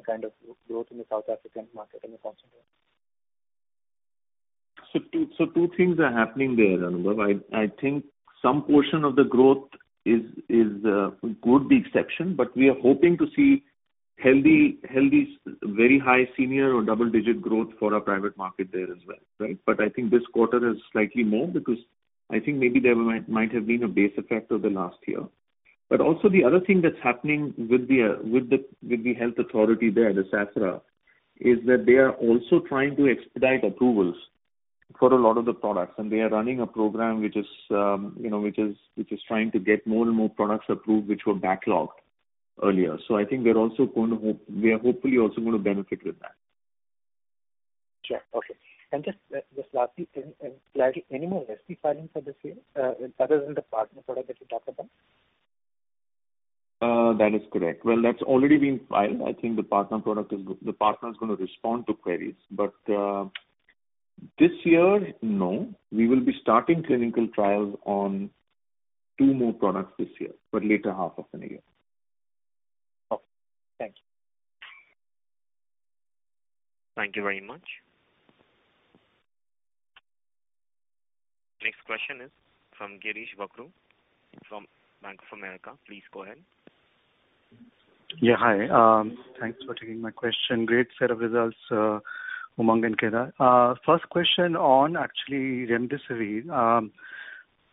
Speaker 12: kind of growth in the South African market and the concentration?
Speaker 5: So two things are happening there, Anubhav. I think some portion of the growth could be exception, but we are hoping to see healthy, very high teens or double-digit growth for our private market there as well, right? But I think this quarter is slightly more because I think maybe there might have been a base effect of the last year. But also the other thing that's happening with the health authority there, the SAHPRA, is that they are also trying to expedite approvals for a lot of the products. And they are running a program which is trying to get more and more products approved which were backlogged earlier. So I think we are also going to hope we are hopefully also going to benefit with that.
Speaker 12: Sure. Okay. And just lastly, any more rescue filing for this year other than the partner product that you talked about?
Speaker 5: That is correct. Well, that's already been filed. I think the partner product is the partner is going to respond to queries. But this year, no. We will be starting clinical trials on two more products this year, but later half of the year.
Speaker 12: Okay. Thank you.
Speaker 2: Thank you very much. Next question is from Girish Bakhru from Bank of America. Please go ahead.
Speaker 13: Yeah. Hi. Thanks for taking my question. Great set of results, Umang and Kedar. First question on actually Remdesivir.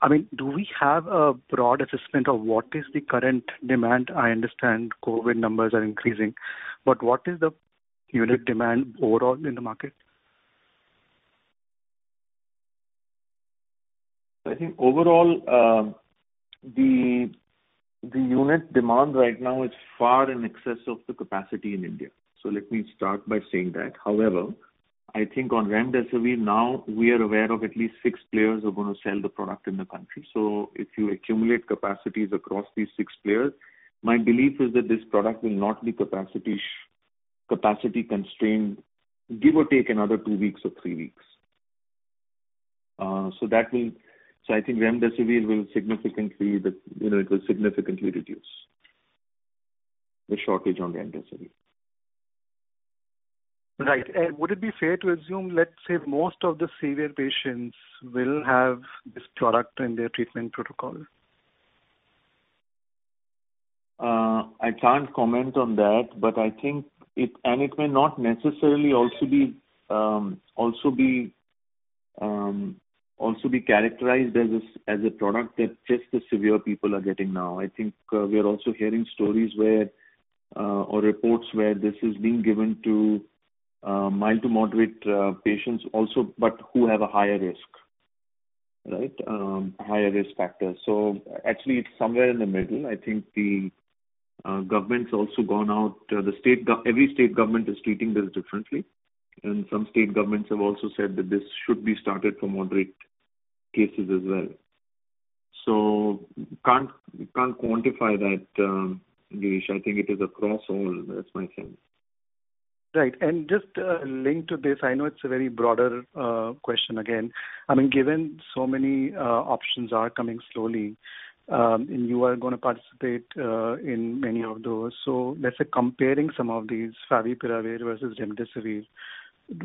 Speaker 13: I mean, do we have a broad assessment of what is the current demand? I understand COVID numbers are increasing, but what is the unit demand overall in the market?
Speaker 5: I think overall, the unit demand right now is far in excess of the capacity in India. So let me start by saying that. However, I think on Remdesivir now, we are aware of at least six players who are going to sell the product in the country. So if you accumulate capacities across these six players, my belief is that this product will not be capacity constrained, give or take another two weeks or three weeks. So I think Remdesivir will significantly reduce the shortage on Remdesivir.
Speaker 13: Right. Would it be fair to assume, let's say, most of the severe patients will have this product in their treatment protocol?
Speaker 5: I can't comment on that, but I think it may not necessarily also be characterized as a product that just the severe people are getting now. I think we are also hearing stories or reports where this is being given to mild to moderate patients also, but who have a higher risk, right? Higher risk factor. So actually, it's somewhere in the middle. I think the government's also gone out. Every state government is treating this differently. And some state governments have also said that this should be started for moderate cases as well. So we can't quantify that, Girish. I think it is across all. That's my sense.
Speaker 13: Right. And just linked to this, I know it's a very broad question again. I mean, given so many options are coming slowly, and you are going to participate in many of those. So let's say comparing some of these Favipiravir versus Remdesivir,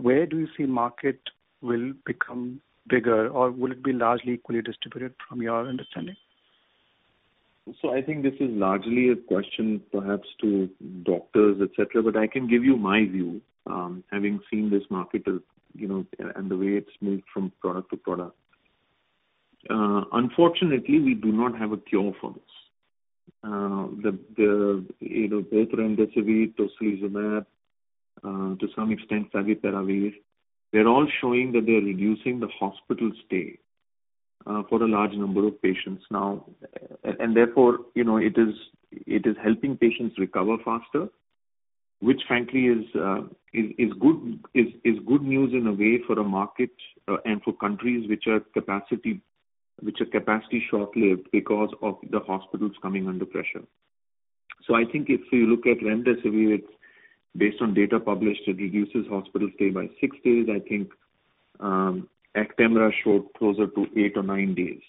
Speaker 13: where do you see market will become bigger, or will it be largely equally distributed from your understanding?
Speaker 5: So I think this is largely a question perhaps to doctors, etc., but I can give you my view, having seen this market and the way it's moved from product to product. Unfortunately, we do not have a cure for this. Both Remdesivir, Tocilizumab, to some extent Favipiravir, they're all showing that they're reducing the hospital stay for a large number of patients now. And therefore, it is helping patients recover faster, which frankly is good news in a way for a market and for countries which are capacity short-lived because of the hospitals coming under pressure. So I think if you look at Remdesivir, based on data published, it reduces hospital stay by six days. I think Actemra showed closer to eight or nine days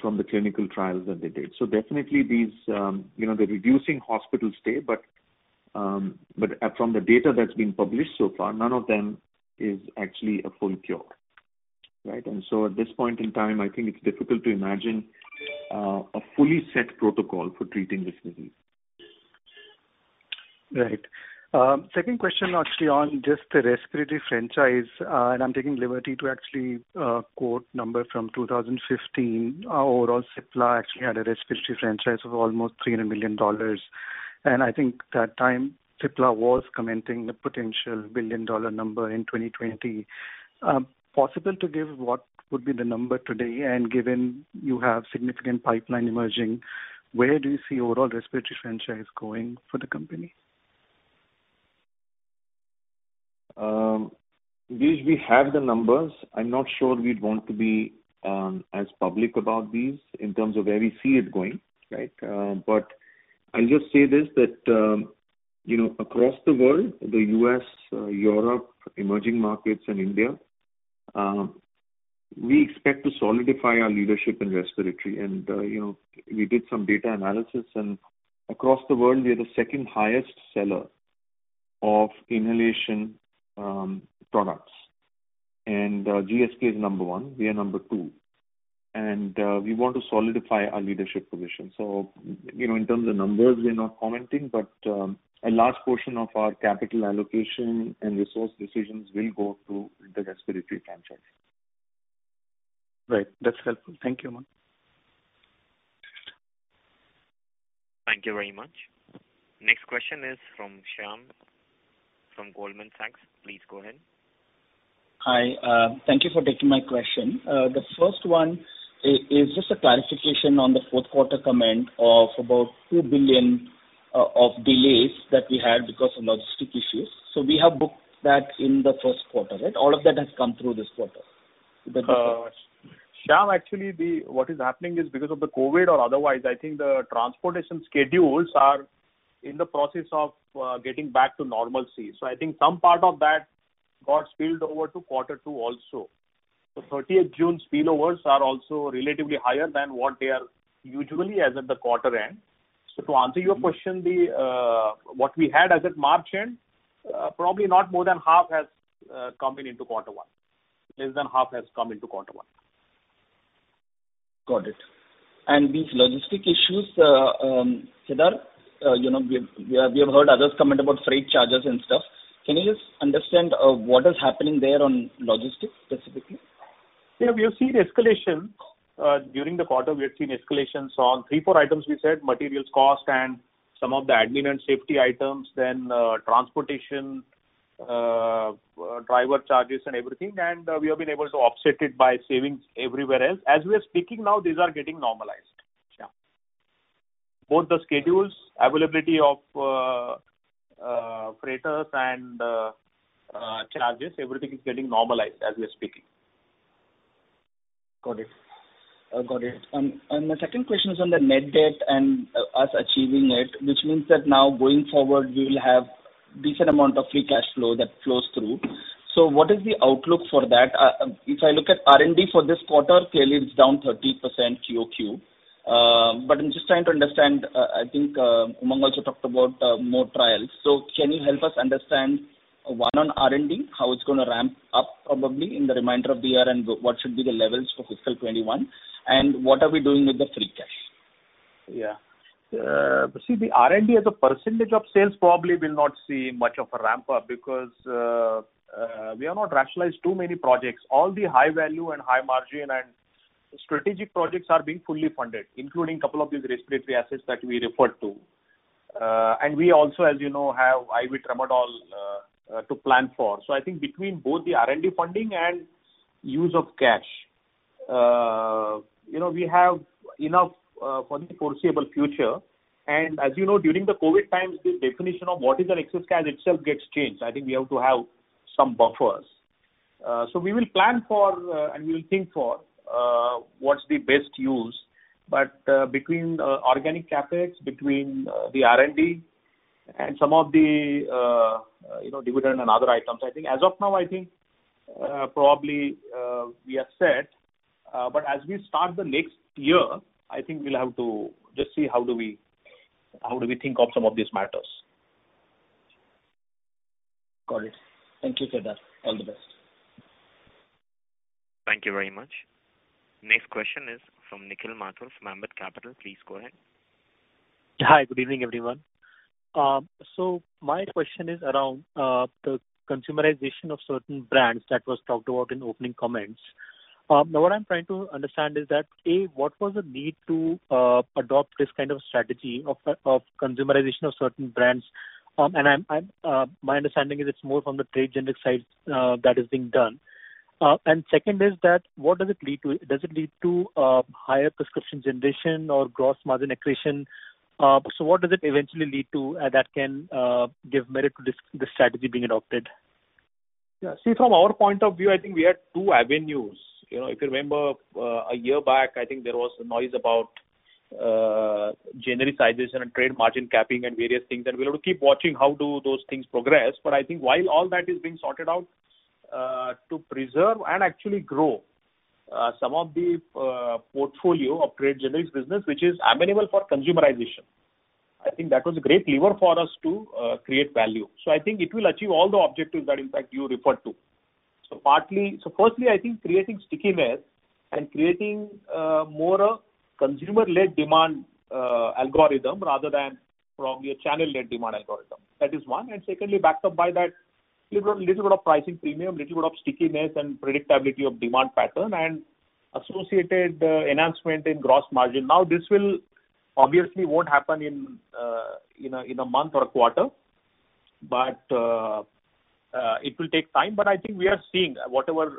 Speaker 5: from the clinical trials that they did. So definitely, they're reducing hospital stay, but from the data that's been published so far, none of them is actually a full cure, right? And so at this point in time, I think it's difficult to imagine a fully set protocol for treating this disease.
Speaker 13: Right. Second question, actually, on just the respiratory franchise. And I'm taking liberty to actually quote a number from 2015. Overall, Cipla actually had a respiratory franchise of almost $300 million. And I think that time, Cipla was commenting the potential billion-dollar number in 2020. Possible to give what would be the number today? And given you have significant pipeline emerging, where do you see overall respiratory franchise going for the company?
Speaker 5: Girish, we have the numbers. I'm not sure we'd want to be as public about these in terms of where we see it going, right? But I'll just say this: that across the world, the U.S., Europe, emerging markets, and India, we expect to solidify our leadership in respiratory. And we did some data analysis, and across the world, we are the second highest seller of inhalation products. And GSK is number one. We are number two. And we want to solidify our leadership position. So in terms of numbers, we're not commenting, but a large portion of our capital allocation and resource decisions will go through the respiratory franchise.
Speaker 13: Right. That's helpful. Thank you, Umang.
Speaker 2: Thank you very much. Next question is from Shyam from Goldman Sachs. Please go ahead.
Speaker 14: Hi. Thank you for taking my question. The first one is just a clarification on the Q4 comment of about 2 billion of delays that we had because of logistic issues. So we have booked that in the Q1, right? All of that has come through this quarter.
Speaker 4: Shyam, actually, what is happening is because of the COVID or otherwise, I think the transportation schedules are in the process of getting back to normalcy. So I think some part of that got spilled over to Q2 also. So 30th June spillovers are also relatively higher than what they are usually as at the quarter end. So to answer your question, what we had as at March end, probably not more than half has come into Q1. Less than half has come into Q1. Got it.
Speaker 14: And these logistics issues, Kedar, we have heard others comment about freight charges and stuff. Can you just understand what is happening there on logistics specifically?
Speaker 4: Yeah. We have seen escalation during the quarter. We have seen escalations on three, four items we said: materials cost and some of the admin and safety items, then transportation, driver charges, and everything. And we have been able to offset it by savings everywhere else. As we are speaking now, these are getting normalized. Yeah. Both the schedules, availability of freighters and charges, everything is getting normalized as we are speaking.
Speaker 14: Got it. Got it. And my second question is on the net debt and us achieving it, which means that now going forward, we will have a decent amount of free cash flow that flows through. So what is the outlook for that?
Speaker 4: If I look at R&D for this quarter, clearly it's down 30% QOQ. But I'm just trying to understand. I think Umang also talked about more trials. So can you help us understand one on R&D, how it's going to ramp up probably in the remainder of the year and what should be the levels for fiscal 21? And what are we doing with the free cash? Yeah. See, the R&D as a percentage of sales probably will not see much of a ramp up because we have not rationalized too many projects. All the high value and high margin and strategic projects are being fully funded, including a couple of these respiratory assets that we referred to. And we also, as you know, have IV Tramadol to plan for. So I think between both the R&D funding and use of cash, we have enough for the foreseeable future. And as you know, during the COVID times, the definition of what is an excess cash itself gets changed. I think we have to have some buffers. So we will plan for and we will think for what's the best use. But between organic CapEx, between the R&D and some of the dividend and other items, I think as of now, I think probably we have set. But as we start the next year, I think we'll have to just see how do we think of some of these matters.
Speaker 14: Got it. Thank you, Kedar. All the best.
Speaker 2: Thank you very much. Next question is from Nikhil Mathur from Ambit Capital. Please go ahead.
Speaker 15: Hi. Good evening, everyone. So my question is around the consumerization of certain brands that was talked about in opening comments. Now, what I'm trying to understand is that, A, what was the need to adopt this kind of strategy of consumerization of certain brands? And my understanding is it's more from the trade generic side that is being done. And second is that what does it lead to? Does it lead to higher prescription generation or gross margin accretion? So what does it eventually lead to that can give merit to this strategy being adopted?
Speaker 4: Yeah. See, from our point of view, I think we had two avenues. If you remember a year back, I think there was noise about genericization and trade margin capping and various things. And we'll have to keep watching how do those things progress. But I think while all that is being sorted out to preserve and actually grow some of the portfolio of trade generic business, which is amenable for consumerization, I think that was a great lever for us to create value. So I think it will achieve all the objectives that, in fact, you referred to. So firstly, I think creating stickiness and creating more a consumer-led demand algorithm rather than probably a channel-led demand algorithm. That is one. And secondly, backed up by that little bit of pricing premium, little bit of stickiness and predictability of demand pattern and associated enhancement in gross margin. Now, this will obviously won't happen in a month or a quarter, but it will take time. But I think we are seeing whatever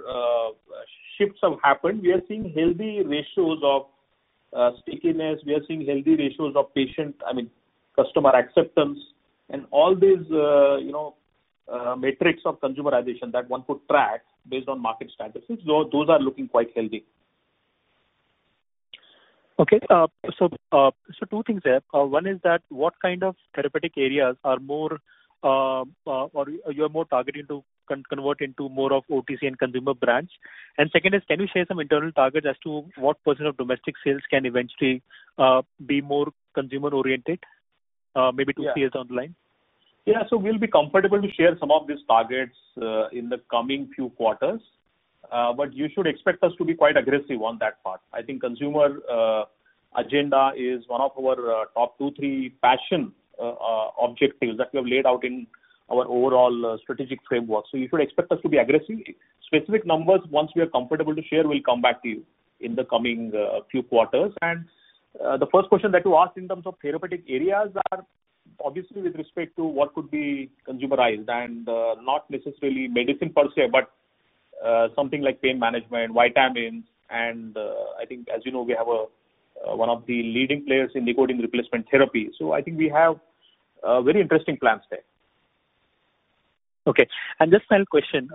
Speaker 4: shifts have happened, we are seeing healthy ratios of stickiness. We are seeing healthy ratios of patient, I mean, customer acceptance.
Speaker 15: All these metrics of consumerization that one could track based on market statistics, those are looking quite healthy. Okay. Two things there. One is that what kind of therapeutic areas are more or you are more targeting to convert into more of OTC and consumer brands? And second is, can you share some internal targets as to what percent of domestic sales can eventually be more consumer-oriented, maybe two years down the line?
Speaker 4: Yeah. We'll be comfortable to share some of these targets in the coming few quarters. But you should expect us to be quite aggressive on that part. I think consumer agenda is one of our top two, three passion objectives that we have laid out in our overall strategic framework. You should expect us to be aggressive. Specific numbers, once we are comfortable to share, we'll come back to you in the coming few quarters. And the first question that you asked in terms of therapeutic areas are obviously with respect to what could be consumerized and not necessarily medicine per se, but something like pain management, vitamins. And I think, as you know, we have one of the leading players in liquid replacement therapy. So I think we have very interesting plans there.
Speaker 15: Okay. And just final question.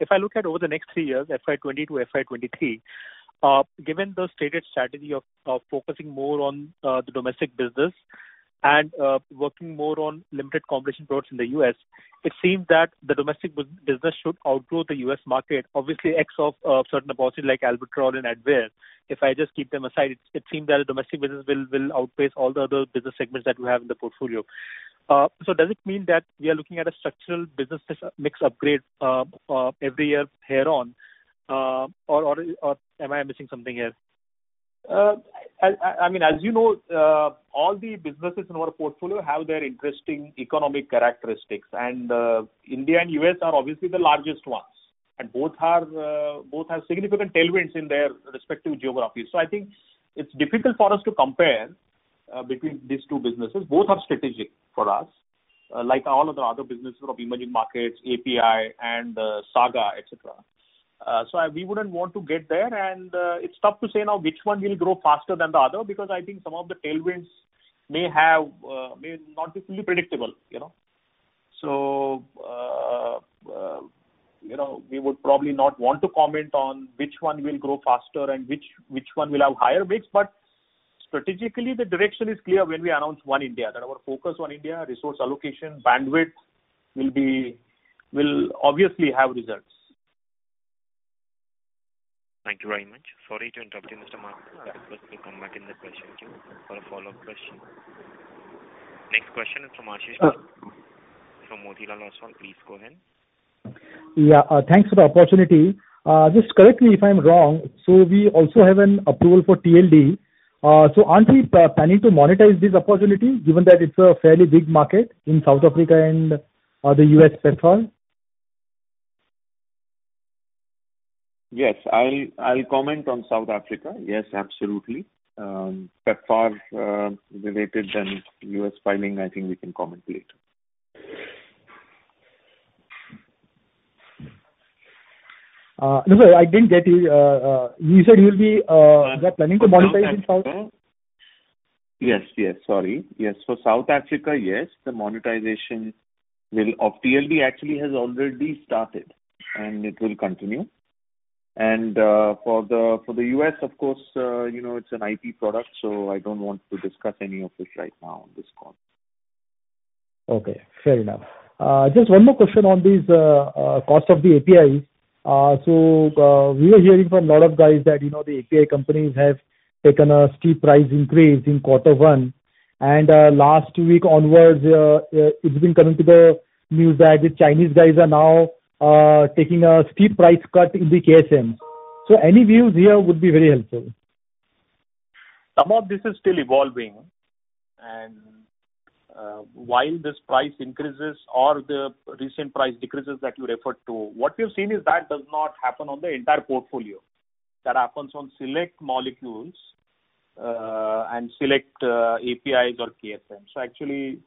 Speaker 15: If I look at over the next three years, FY22, FY23, given the stated strategy of focusing more on the domestic business and working more on limited competition products in the U.S., it seems that the domestic business should outgrow the U.S. market, obviously ex of certain assets like Albuterol and Advair. If I just keep them aside, it seems that the domestic business will outpace all the other business segments that we have in the portfolio. So does it mean that we are looking at a structural business mix upgrade every year here on, or am I missing something here?
Speaker 4: I mean, as you know, all the businesses in our portfolio have their interesting economic characteristics. And India and U.S. are obviously the largest ones. And both have significant tailwinds in their respective geographies. So I think it's difficult for us to compare between these two businesses. Both have strategic for us, like all of the other businesses of emerging markets, API, and Saga, etc. So we wouldn't want to get there. And it's tough to say now which one will grow faster than the other because I think some of the tailwinds may not be fully predictable. So we would probably not want to comment on which one will grow faster and which one will have higher mix. But strategically, the direction is clear when we announce One India, that our focus on India, resource allocation, bandwidth will obviously have results. Thank you very much.
Speaker 2: Sorry to interrupt you, Mr. Vohra. I'll request to come back in the question queue for a follow-up question. Next question is from Ashish from Motilal Oswal. Please go ahead.
Speaker 16: Yeah. Thanks for the opportunity. Just correct me if I'm wrong. So we also have an approval for TLD. So aren't we planning to monetize this opportunity given that it's a fairly big market in South Africa and the U.S. PEPFAR?
Speaker 5: Yes. I'll comment on South Africa. Yes, absolutely. PEPFAR related and U.S. filing, I think we can comment later.
Speaker 16: No, I didn't get you. You said you'll be planning to monetize in South?
Speaker 5: Yes. Yes. Sorry. Yes. For South Africa, yes. The monetization of TLD actually has already started, and it will continue. And for the US, of course, it's an IP product, so I don't want to discuss any of it right now on this call.
Speaker 16: Okay. Fair enough. Just one more question on these costs of the APIs. So we were hearing from a lot of guys that the API companies have taken a steep price increase in Q1. And last week onwards, it's been coming to the news that the Chinese guys are now taking a steep price cut in the KSM. So any views here would be very helpful.
Speaker 5: Some of this is still evolving. And while this price increases or the recent price decreases that you referred to, what we have seen is that does not happen on the entire portfolio. That happens on select molecules and select APIs or KSMs. So actually,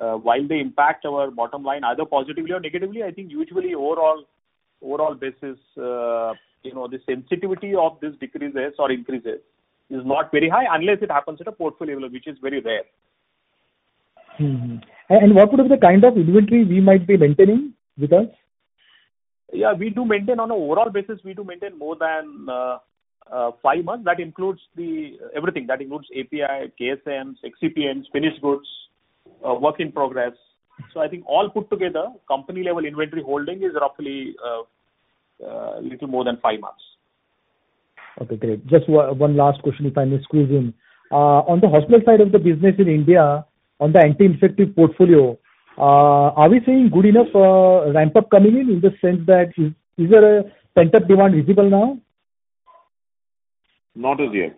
Speaker 5: while they impact our bottom line either positively or negatively, I think usually overall basis, the sensitivity of this decreases or increases is not very high unless it happens at a portfolio level, which is very rare.
Speaker 16: And what would be the kind of inventory we might be maintaining with us?
Speaker 5: Yeah. We do maintain on an overall basis, we do maintain more than five months. That includes everything. That includes API, KSMs, XCPNs, finished goods, work in progress. So I think all put together, company-level inventory holding is roughly a little more than five months.
Speaker 16: Okay. Great. Just one last question if I may squeeze in. On the hospital side of the business in India, on the anti-infective portfolio, are we seeing good enough ramp up coming in in the sense that is there a pent-up demand visible now?
Speaker 5: Not as yet.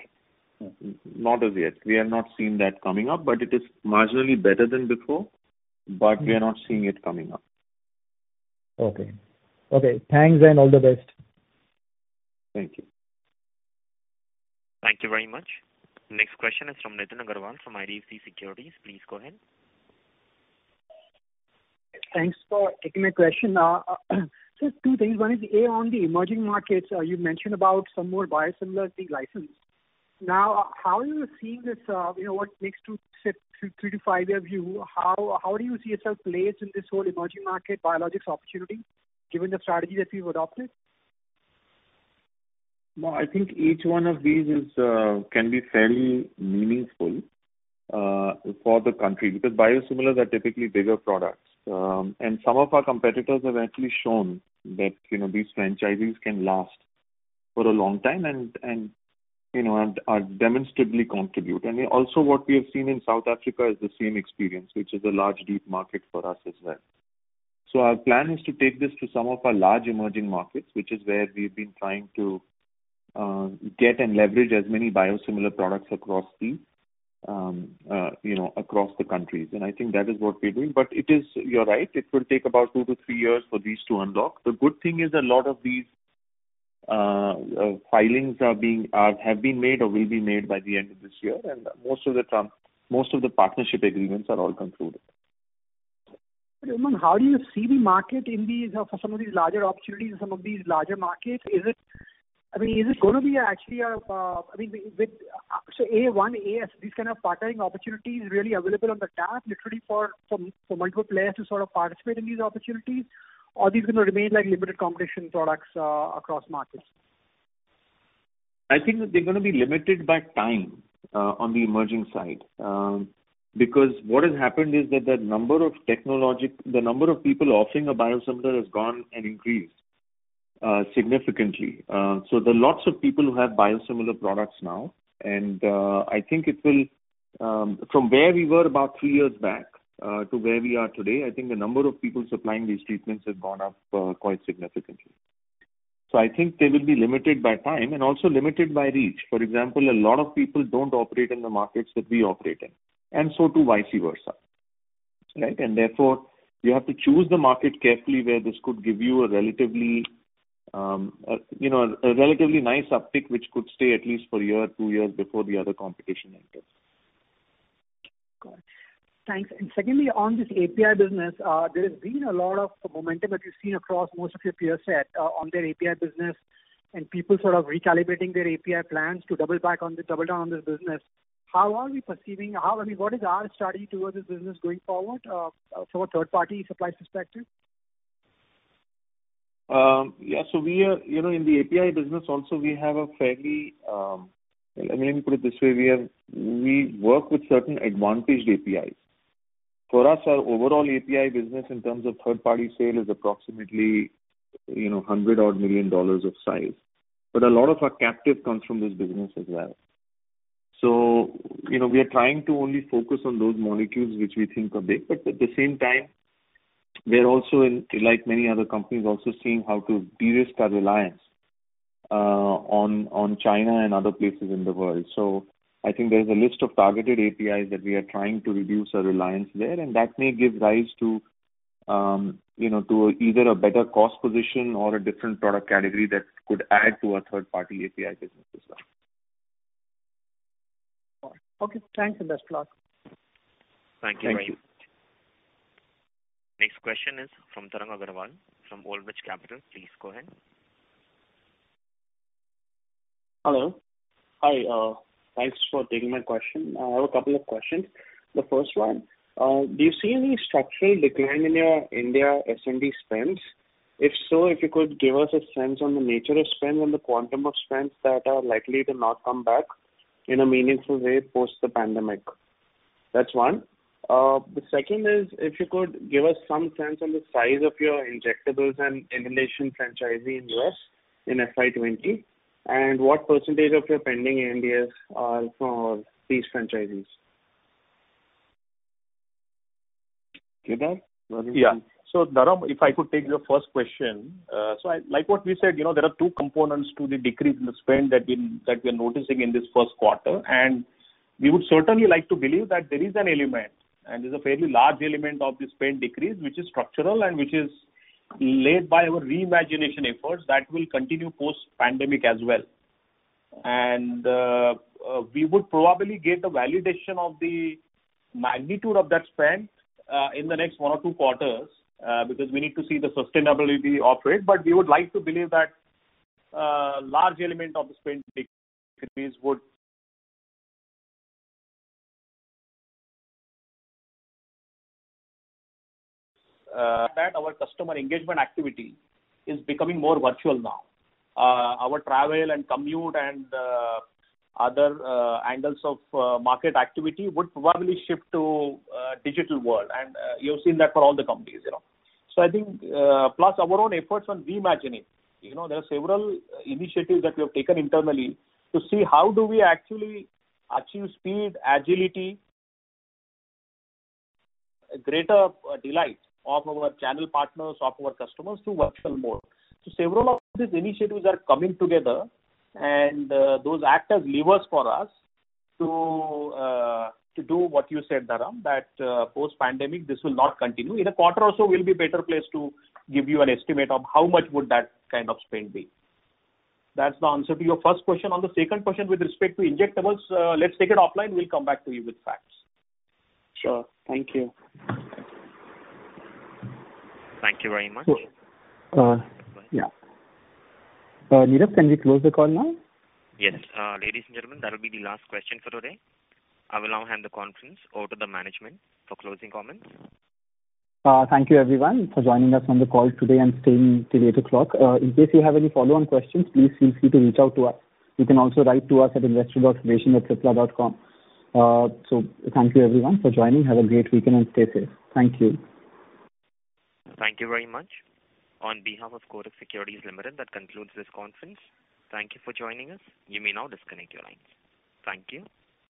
Speaker 5: Not as yet. We have not seen that coming up, but it is marginally better than before. But we are not seeing it coming up.
Speaker 16: Okay. Okay. Thanks and all the best.
Speaker 5: Thank you.
Speaker 2: Thank you very much. Next question is from Nitin Agarwal from IDFC Securities. Please go ahead.
Speaker 17: Thanks for taking my question. Just two things. One is, A, on the emerging markets, you mentioned about some more biosimilar license. Now, how are you seeing this? What makes two to three to five-year view? How do you see yourself placed in this whole emerging market biologics opportunity given the strategy that you've adopted?
Speaker 5: I think each one of these can be fairly meaningful for the country because biosimilars are typically bigger products. Some of our competitors have actually shown that these franchises can last for a long time and demonstrably contribute. What we have seen in South Africa is the same experience, which is a large deep market for us as well. Our plan is to take this to some of our large emerging markets, which is where we've been trying to get and leverage as many biosimilar products across the countries. I think that is what we're doing. You're right. It will take about two-to-three years for these to unlock. The good thing is a lot of these filings have been made or will be made by the end of this year. Most of the partnership agreements are all concluded.
Speaker 17: How do you see the market for some of these larger opportunities in some of these larger markets? I mean, is it going to be actually a—I mean, so A1, AS, these kind of partnering opportunities really available on the tap, literally for multiple players to sort of participate in these opportunities, or are these going to remain like limited competition products across markets? I think they're going to be limited by time on the emerging side because what has happened is that the number of technology, the number of people offering a biosimilar has gone and increased significantly. So there are lots of people who have biosimilar products now. And I think it will, from where we were about three years back to where we are today, I think the number of people supplying these treatments has gone up quite significantly. So I think they will be limited by time and also limited by reach. For example, a lot of people don't operate in the markets that we operate in, and so too vice versa. And therefore, you have to choose the market carefully where this could give you a relatively nice uptick, which could stay at least for a year or two years before the other competition enters. Got it. Thanks. And secondly, on this API business, there has been a lot of momentum that you've seen across most of your peers set on their API business and people sort of recalibrating their API plans to double down on this business. How are we perceiving, I mean, what is our strategy towards this business going forward from a third-party supply perspective?
Speaker 5: Yeah. So in the API business, also, we have a fairly, let me put it this way. We work with certain advantaged APIs. For us, our overall API business in terms of third-party sale is approximately $100-odd million of size. But a lot of our captive comes from this business as well. So we are trying to only focus on those molecules which we think are big. But at the same time, we're also, like many other companies, also seeing how to de-risk our reliance on China and other places in the world. So I think there's a list of targeted APIs that we are trying to reduce our reliance there. And that may give rise to either a better cost position or a different product category that could add to our third-party API business as well.
Speaker 17: Okay. Thanks for that, Plas.
Speaker 5: Thank you.
Speaker 2: Thank you. Next question is from Tarang Agrawal from Old Bridge Capital. Please go ahead. Hello. Hi. Thanks for taking my question.
Speaker 18: I have a couple of questions. The first one, do you see any structural decline in your India SMD spends? If so, if you could give us a sense on the nature of spends and the quantum of spends that are likely to not come back in a meaningful way post the pandemic. That's one. The second is, if you could give us some sense on the size of your injectables and inhalation franchise in the US in FY20, and what percentage of your pending NDAs are for these franchises?
Speaker 5: Okay. Yeah. So Tarang, if I could take your first question. So like what we said, there are two components to the decrease in the spend that we are noticing in this Q1.And we would certainly like to believe that there is an element, and it's a fairly large element of the spend decrease, which is structural and which is led by our reimagination efforts that will continue post-pandemic as well. And we would probably get a validation of the magnitude of that spend in the next one or two quarters because we need to see the sustainability of it. But we would like to believe that a large element of the spend decrease would. That our customer engagement activity is becoming more virtual now. Our travel and commute and other angles of market activity would probably shift to a digital world. And you've seen that for all the companies. So I think, plus, our own efforts on reimagining. There are several initiatives that we have taken internally to see how do we actually achieve speed, agility, greater delight of our channel partners, of our customers to work more. So several of these initiatives are coming together, and those act as levers for us to do what you said, Dharam, that post-pandemic, this will not continue. In a quarter or so, we'll be a better place to give you an estimate of how much would that kind of spend be. That's the answer to your first question. On the second question with respect to injectables, let's take it offline. We'll come back to you with facts.
Speaker 18: Sure. Thank you.
Speaker 2: Thank you very much. Yeah. Madam, can we close the call now?
Speaker 3: Yes. Ladies and gentlemen, that will be the last question for today. I will now hand the conference over to the management for closing comments.
Speaker 5: Thank you, everyone, for joining us on the call today and staying till 8 o'clock. In case you have any follow-on questions, please feel free to reach out to us. You can also write to us at investor.relations@cipla.com. So thank you, everyone, for joining. Have a great weekend and stay safe. Thank you.
Speaker 3: Thank you very much. On behalf of Kotak Securities Limited, that concludes this conference. Thank you for joining us. You may now disconnect your lines. Thank you.